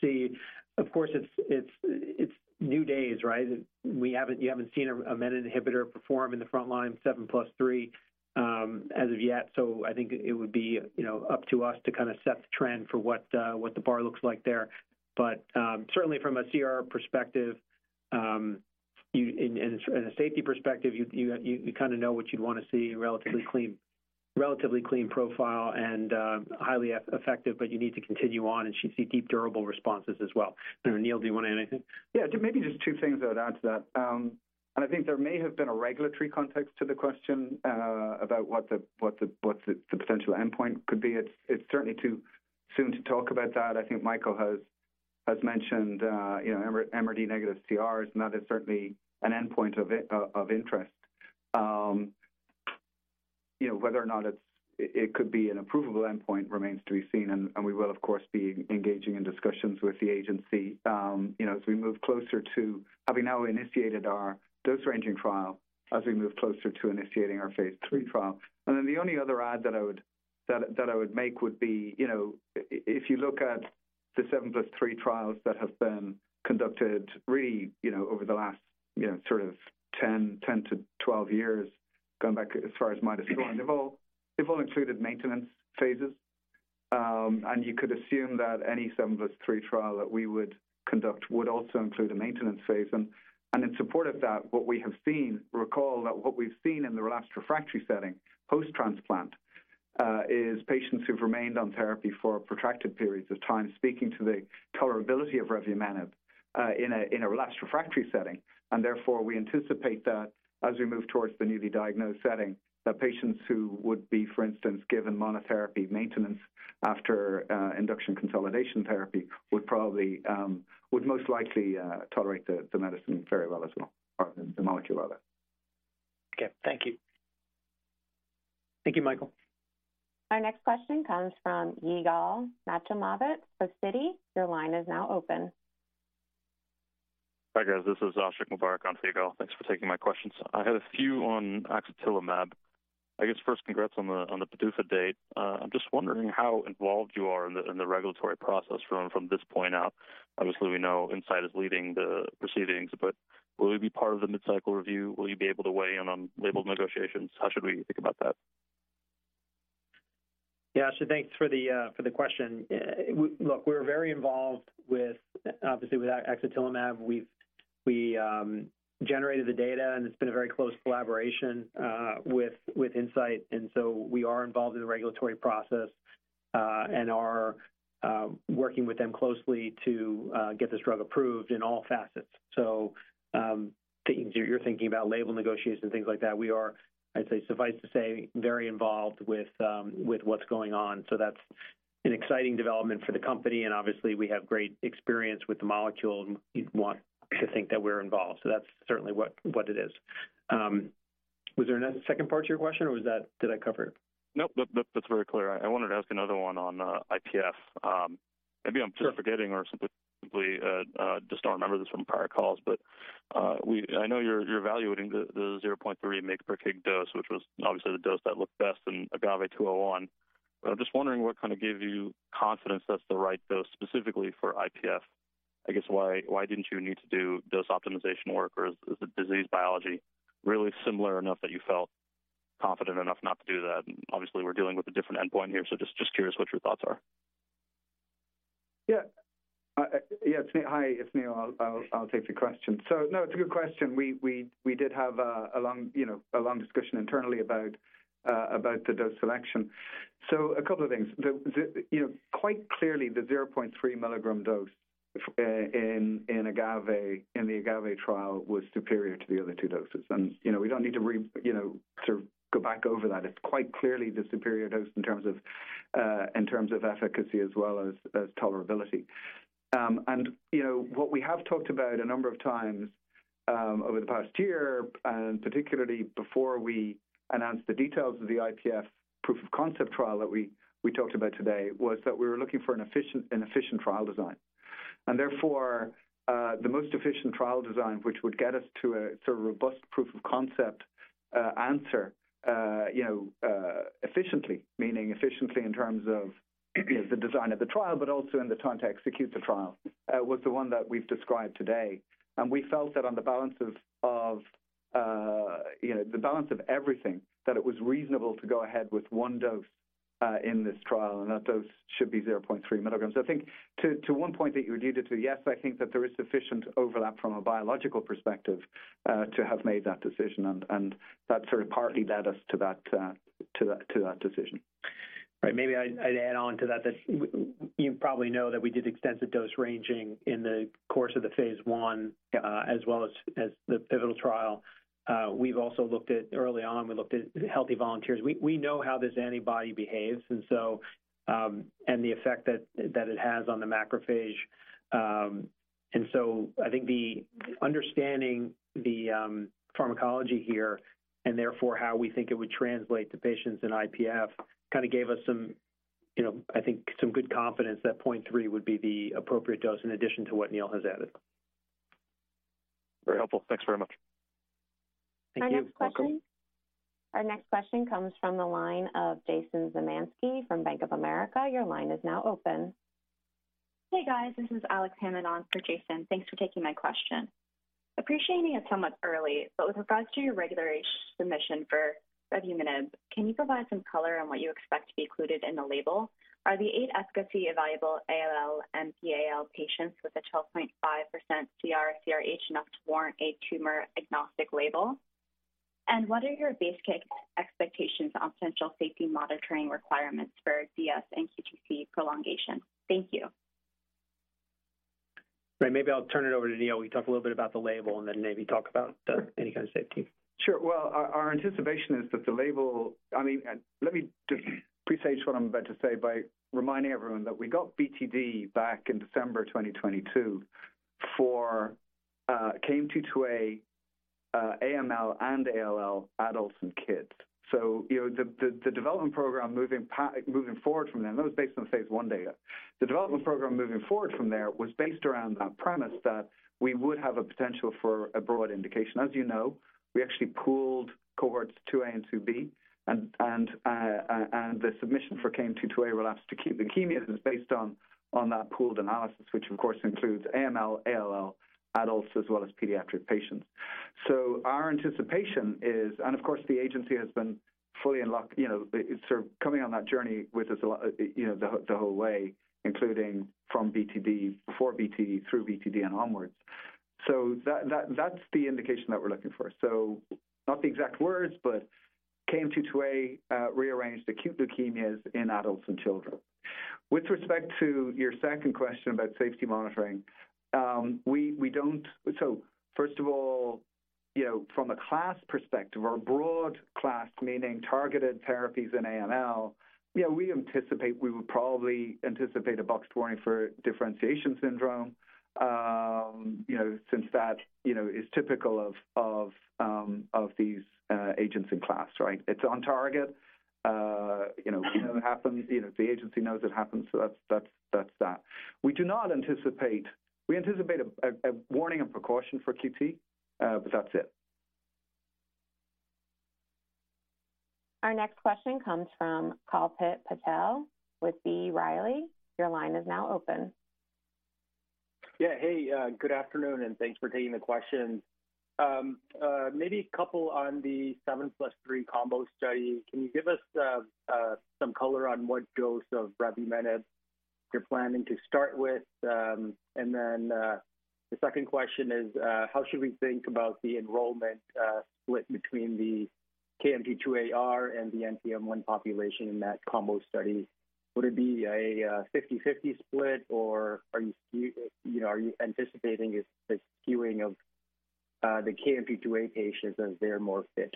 see. Of course, it's new days, right? We haven't—you haven't seen a menin inhibitor perform in the frontline 7+3 as of yet. So I think it would be, you know, up to us to kind of set the trend for what the bar looks like there. Certainly from a CR perspective and a safety perspective, you kind of know what you'd want to see, a relatively clean profile and highly effective, but you need to continue on, and you see deep, durable responses as well. Neil, do you want to add anything? Yeah, maybe just two things I would add to that. And I think there may have been a regulatory context to the question about what the potential endpoint could be. It's certainly too soon to talk about that. I think Michael has mentioned you know, MRD-negative CRs, and that is certainly an endpoint of interest. You know, whether or not it could be an approvable endpoint remains to be seen, and we will, of course, be engaging in discussions with the agency you know, as we move closer to having now initiated our dose ranging trial, as we move closer to initiating our phase III trial. And then the only other add that I would make would be, you know, if you look at the 7+3 trials that have been conducted, really, you know, over the last, you know, sort of 10-12 years, going back as far as 2011, they've all included maintenance phases. And you could assume that any 7+3 trial that we would conduct would also include a maintenance phase. And in support of that, what we have seen. Recall that what we've seen in the relapsed refractory setting, post-transplant, is patients who've remained on therapy for protracted periods of time, speaking to the tolerability of revumenib in a relapsed refractory setting. Therefore, we anticipate that as we move toward the newly diagnosed setting, that patients who would be, for instance, given monotherapy maintenance after induction consolidation therapy, would probably most likely tolerate the medicine very well as well, or the molecule rather. Okay, thank you. Thank you, Michael. Our next question comes from Yigal Nochomovitz of Citi. Your line is now open. Hi, guys. This is Ashiq Mubarack on Yigal. Thanks for taking my questions. I had a few on axatilimab. I guess, first, congrats on the, on the PDUFA date. I'm just wondering how involved you are in the, in the regulatory process from, from this point out. Obviously, we know Incyte is leading the proceedings, but will you be part of the mid-cycle review? Will you be able to weigh in on label negotiations? How should we think about that? Yeah, so thanks for the question. Look, we're very involved with, obviously, with axatilimab. We've generated the data, and it's been a very close collaboration with Incyte, and so we are involved in the regulatory process, and are working with them closely to get this drug approved in all facets. So, things you're thinking about, label negotiations and things like that. We are, I'd say, suffice to say, very involved with what's going on. So that's an exciting development for the company, and obviously, we have great experience with the molecule, and we want to think that we're involved. So that's certainly what it is. Was there a second part to your question, or was that - did I cover it? Nope, that, that's very clear. I wanted to ask another one on IPF. Maybe I'm- Sure. Just forgetting or simply, just don't remember this from prior calls. But, we—I know you're evaluating the 0.3 mg per kg dose, which was obviously the dose that looked best in AGAVE-201. But I'm just wondering what kind of gave you confidence that's the right dose, specifically for IPF? I guess why, why didn't you need to do dose optimization work, or is the disease biology really similar enough that you felt confident enough not to do that? Obviously, we're dealing with a different endpoint here, so just curious what your thoughts are. Yeah. Yeah, it's me. Hi, it's Neil. I'll take the question. So, no, it's a good question. We did have a long, you know, a long discussion internally about the dose selection. So a couple of things. The, you know, quite clearly, the 0.3 milligram dose in the AGAVE trial was superior to the other 2 doses. And, you know, we don't need to you know, sort of go back over that. It's quite clearly the superior dose in terms of efficacy as well as tolerability. And, you know, what we have talked about a number of times, over the past year, and particularly before we announced the details of the IPF proof of concept trial that we talked about today, was that we were looking for an efficient trial design. And therefore, the most efficient trial design, which would get us to a sort of robust proof of concept answer, you know, efficiently, meaning efficiently in terms of the design of the trial, but also in the time to execute the trial, was the one that we've described today. And we felt that on the balances of, you know, the balance of everything, that it was reasonable to go ahead with one dose in this trial, and that dose should be 0.3 milligrams. I think to one point that you alluded to, yes, I think that there is sufficient overlap from a biological perspective to have made that decision, and that sort of partly led us to that decision. Right. Maybe I'd add on to that, that you probably know that we did extensive dose ranging in the course of the phase 1, as well as the pivotal trial. We've also looked at, early on, we looked at healthy volunteers. We know how this antibody behaves and so, and the effect that it has on the macrophage. And so I think understanding the pharmacology here, and therefore how we think it would translate to patients in IPF, kind of gave us some, you know, I think, some good confidence that 0.3 would be the appropriate dose in addition to what Neil has added. Very helpful. Thanks very much. Thank you. You're welcome. Our next question. Our next question comes from the line of Jason Zemansky from Bank of America. Your line is now open. Hey, guys, this is Alec Hammond on for Jason. Thanks for taking my question. Appreciating it's somewhat early, but with regards to your regulatory submission for revumenib, can you provide some color on what you expect to be included in the label? Are the eight efficacy evaluable ALL and AML patients with a 12.5% CR/CRh enough to warrant a tumor-agnostic label? And what are your basic expectations on potential safety monitoring requirements for DS and QTc prolongation? Thank you. Right. Maybe I'll turn it over to Neil. We talked a little bit about the label and then maybe talk about any kind of safety. Sure. Well, our anticipation is that the label, I mean, let me just presage what I'm about to say by reminding everyone that we got BTD back in December 2022 for KMT2A, AML and ALL, adults and kids. So you know, the development program moving forward from then, that was based on phase 1 data. The development program moving forward from there was based around a premise that we would have a potential for a broad indication. As you know, we actually pooled cohorts 2A and 2B, and the submission for KMT2A relapsed acute leukemia is based on that pooled analysis, which of course includes AML, ALL, adults, as well as pediatric patients. So our anticipation is, and of course, the agency has been fully in lock, you know, sort of coming on that journey with us a lot, you know, the whole, the whole way, including from BTD, before BTD, through BTD and onwards. So that, that, that's the indication that we're looking for. So not the exact words, but KMT2A rearranged acute leukemias in adults and children. With respect to your second question about safety monitoring, we don't, so first of all, you know, from a class perspective or a broad class, meaning targeted therapies in AML, yeah, we anticipate we would probably anticipate a box warning for Differentiation Syndrome, you know, since that, you know, is typical of these agents in class, right? It's on target. You know, it happens. You know, the agency knows it happens, so that's that. We do not anticipate. We anticipate a warning and precaution for QT, but that's it. Our next question comes from Kalpit Patel with B. Riley. Your line is now open. Yeah. Hey, good afternoon, and thanks for taking the questions. Maybe a couple on the 7+3 combo study. Can you give us some color on what dose of revumenib you're planning to start with? And then, the second question is, how should we think about the enrollment split between the KMT2A-R and the NPM1 population in that combo study, would it be a 50/50 split, or are you skewing, you know, are you anticipating a skewing of the KMT2A patients as they are more fit?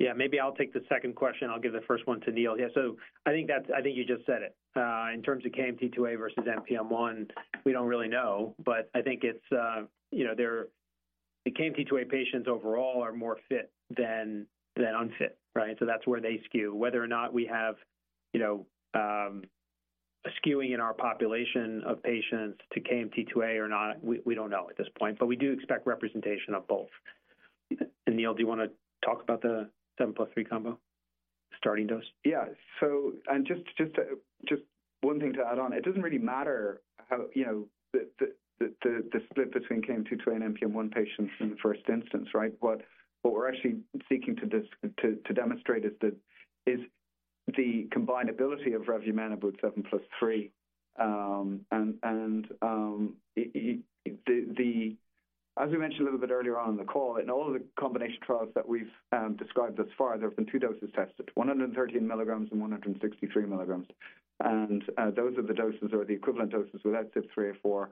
Yeah, maybe I'll take the second question. I'll give the first one to Neil. Yeah, so I think that's. I think you just said it. In terms of KMT2A versus NPM1, we don't really know, but I think it's, you know, they're the KMT2A patients overall are more fit than unfit, right? So that's where they skew. Whether or not we have, you know, a skewing in our population of patients to KMT2A or not, we don't know at this point, but we do expect representation of both. And, Neil, do you want to talk about the 7+3 combo, starting dose? Yeah. So just one thing to add on: It doesn't really matter how, you know, the split between KMT2A and NPM1 patients in the first instance, right? What we're actually seeking to demonstrate is the combinability of revumenib 7+3. As we mentioned a little bit earlier on in the call, in all of the combination trials that we've described thus far, there have been two doses tested, 113 milligrams and 163 milligrams. And those are the doses, or the equivalent doses, without CYP3A4,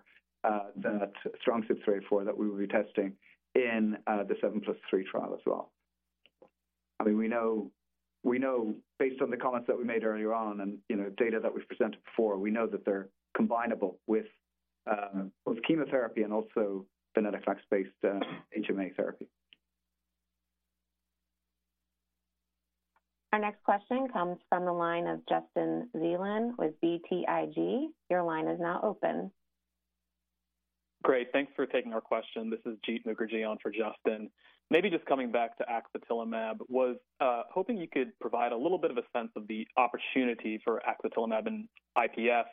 that strong CYP3A4, that we will be testing in the 7+3 trial as well. I mean, we know, we know based on the comments that we made earlier on and, you know, data that we've presented before, we know that they're combinable with both chemotherapy and also low-intensity HMA therapy. Our next question comes from the line of Justin Zelin with BTIG. Your line is now open. Great, thanks for taking our question. This is Jeet Mukherjee on for Justin Zelin. Maybe just coming back to axatilimab, hoping you could provide a little bit of a sense of the opportunity for axatilimab in IPF,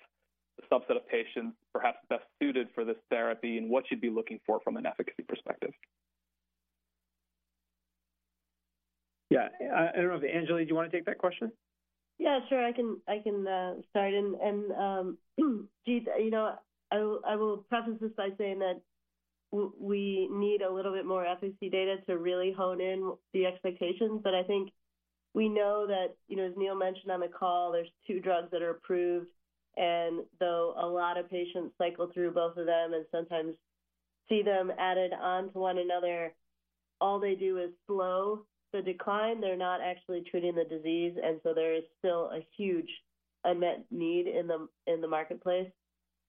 the subset of patients perhaps best suited for this therapy and what you'd be looking for from an efficacy perspective. Yeah, I don't know. Anjali, do you want to take that question? Yeah, sure. I can start. And Jeet, you know, I will preface this by saying that we need a little bit more efficacy data to really hone in the expectations. But I think we know that, you know, as Neil mentioned on the call, there's two drugs that are approved, and though a lot of patients cycle through both of them and sometimes see them added onto one another, all they do is slow the decline. They're not actually treating the disease, and so there is still a huge unmet need in the marketplace.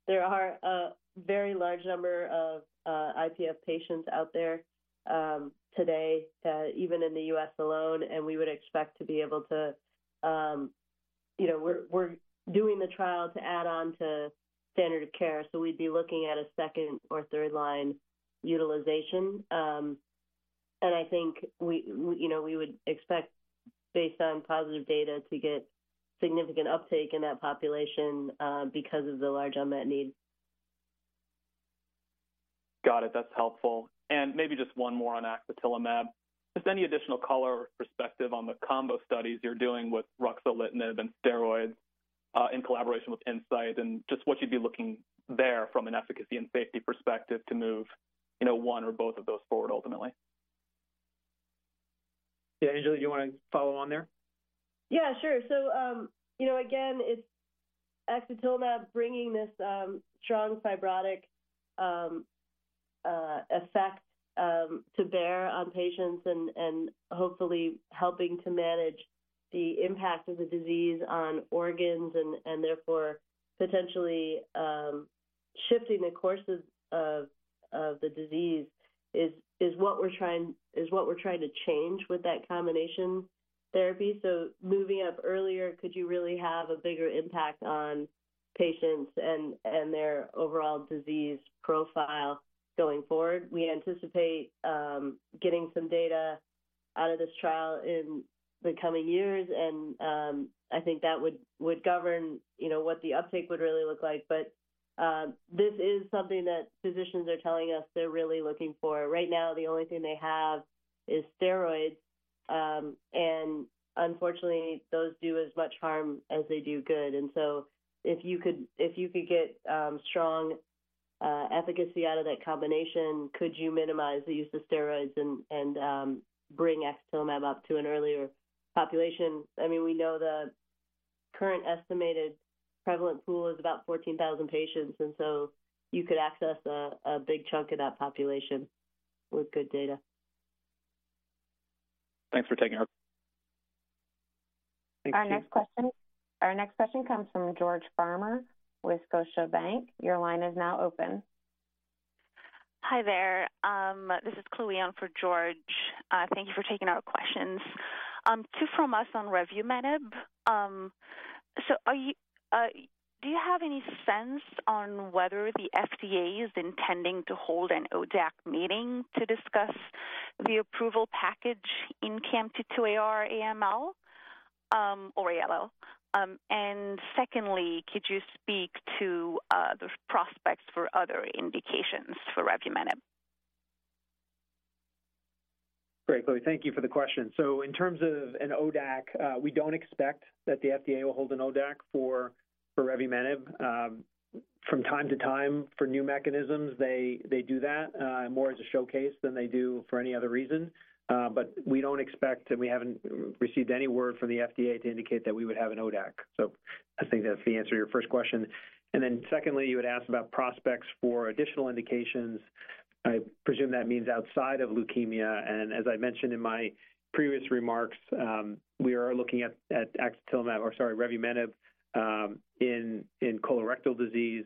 There are a very large number of IPF patients out there today, even in the US alone, and we would expect to be able to... You know, we're doing the trial to add on to standard of care, so we'd be looking at a second- or third-line utilization. I think you know, we would expect, based on positive data, to get significant uptake in that population, because of the large unmet need. Got it. That's helpful. And maybe just one more on axatilimab. Just any additional color or perspective on the combo studies you're doing with ruxolitinib and steroids, in collaboration with Incyte, and just what you'd be looking there from an efficacy and safety perspective to move, you know, one or both of those forward ultimately? Yeah, Anjali, you want to follow on there? Yeah, sure. So, you know, again, it's axatilimab bringing this strong fibrotic effect to bear on patients and hopefully helping to manage the impact of the disease on organs and therefore potentially shifting the courses of the disease. This is what we're trying to change with that combination therapy. So moving up earlier, could you really have a bigger impact on patients and their overall disease profile going forward? We anticipate getting some data out of this trial in the coming years, and I think that would govern, you know, what the uptake would really look like. But this is something that physicians are telling us they're really looking for. Right now, the only thing they have is steroids, and unfortunately, those do as much harm as they do good. If you could get strong efficacy out of that combination, could you minimize the use of steroids and bring axatilimab up to an earlier population? I mean, we know the current estimated prevalent pool is about 14,000 patients, and so you could access a big chunk of that population with good data. Thanks for taking our- Our next question comes from George Farmer with Scotiabank. Your line is now open. Hi there. This is Chloe on for George. Thank you for taking our questions. Two from us on revumenib. So do you have any sense on whether the FDA is intending to hold an ODAC meeting to discuss the approval package in KMT2A-r AML, or ALL? And secondly, could you speak to the prospects for other indications for revumenib?... Great, Chloe, thank you for the question. So in terms of an ODAC, we don't expect that the FDA will hold an ODAC for revumenib. From time to time, for new mechanisms, they do that more as a showcase than they do for any other reason. But we don't expect, and we haven't received any word from the FDA to indicate that we would have an ODAC. So I think that's the answer to your first question. And then secondly, you had asked about prospects for additional indications. I presume that means outside of leukemia, and as I mentioned in my previous remarks, we are looking at axatilimab, or sorry, revumenib, in colorectal disease,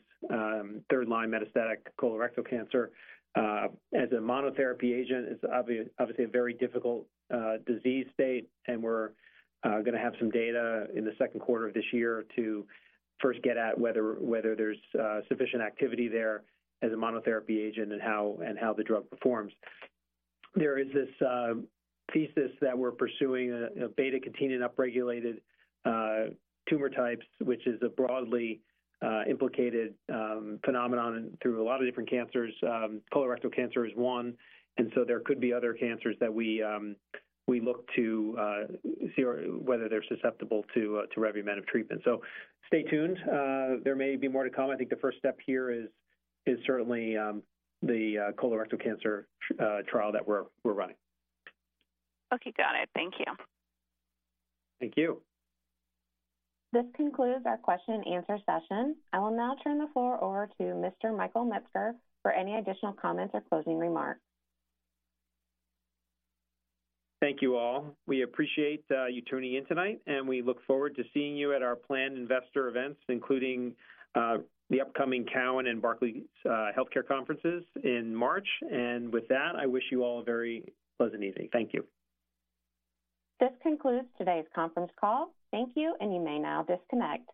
third line metastatic colorectal cancer, as a monotherapy agent. It's obviously a very difficult disease state, and we're gonna have some data in the second quarter of this year to first get at whether there's sufficient activity there as a monotherapy agent and how the drug performs. There is this thesis that we're pursuing, a beta-catenin upregulated tumor types, which is a broadly implicated phenomenon through a lot of different cancers. Colorectal cancer is one, and so there could be other cancers that we look to see or whether they're susceptible to revumenib treatment. So stay tuned. There may be more to come. I think the first step here is certainly the colorectal cancer trial that we're running. Okay, got it. Thank you. Thank you. This concludes our question and answer session. I will now turn the floor over to Mr. Michael Metzger for any additional comments or closing remarks. Thank you, all. We appreciate you tuning in tonight, and we look forward to seeing you at our planned investor events, including the upcoming Cowen and Barclays healthcare conferences in March. And with that, I wish you all a very pleasant evening. Thank you. This concludes today's conference call. Thank you, and you may now disconnect.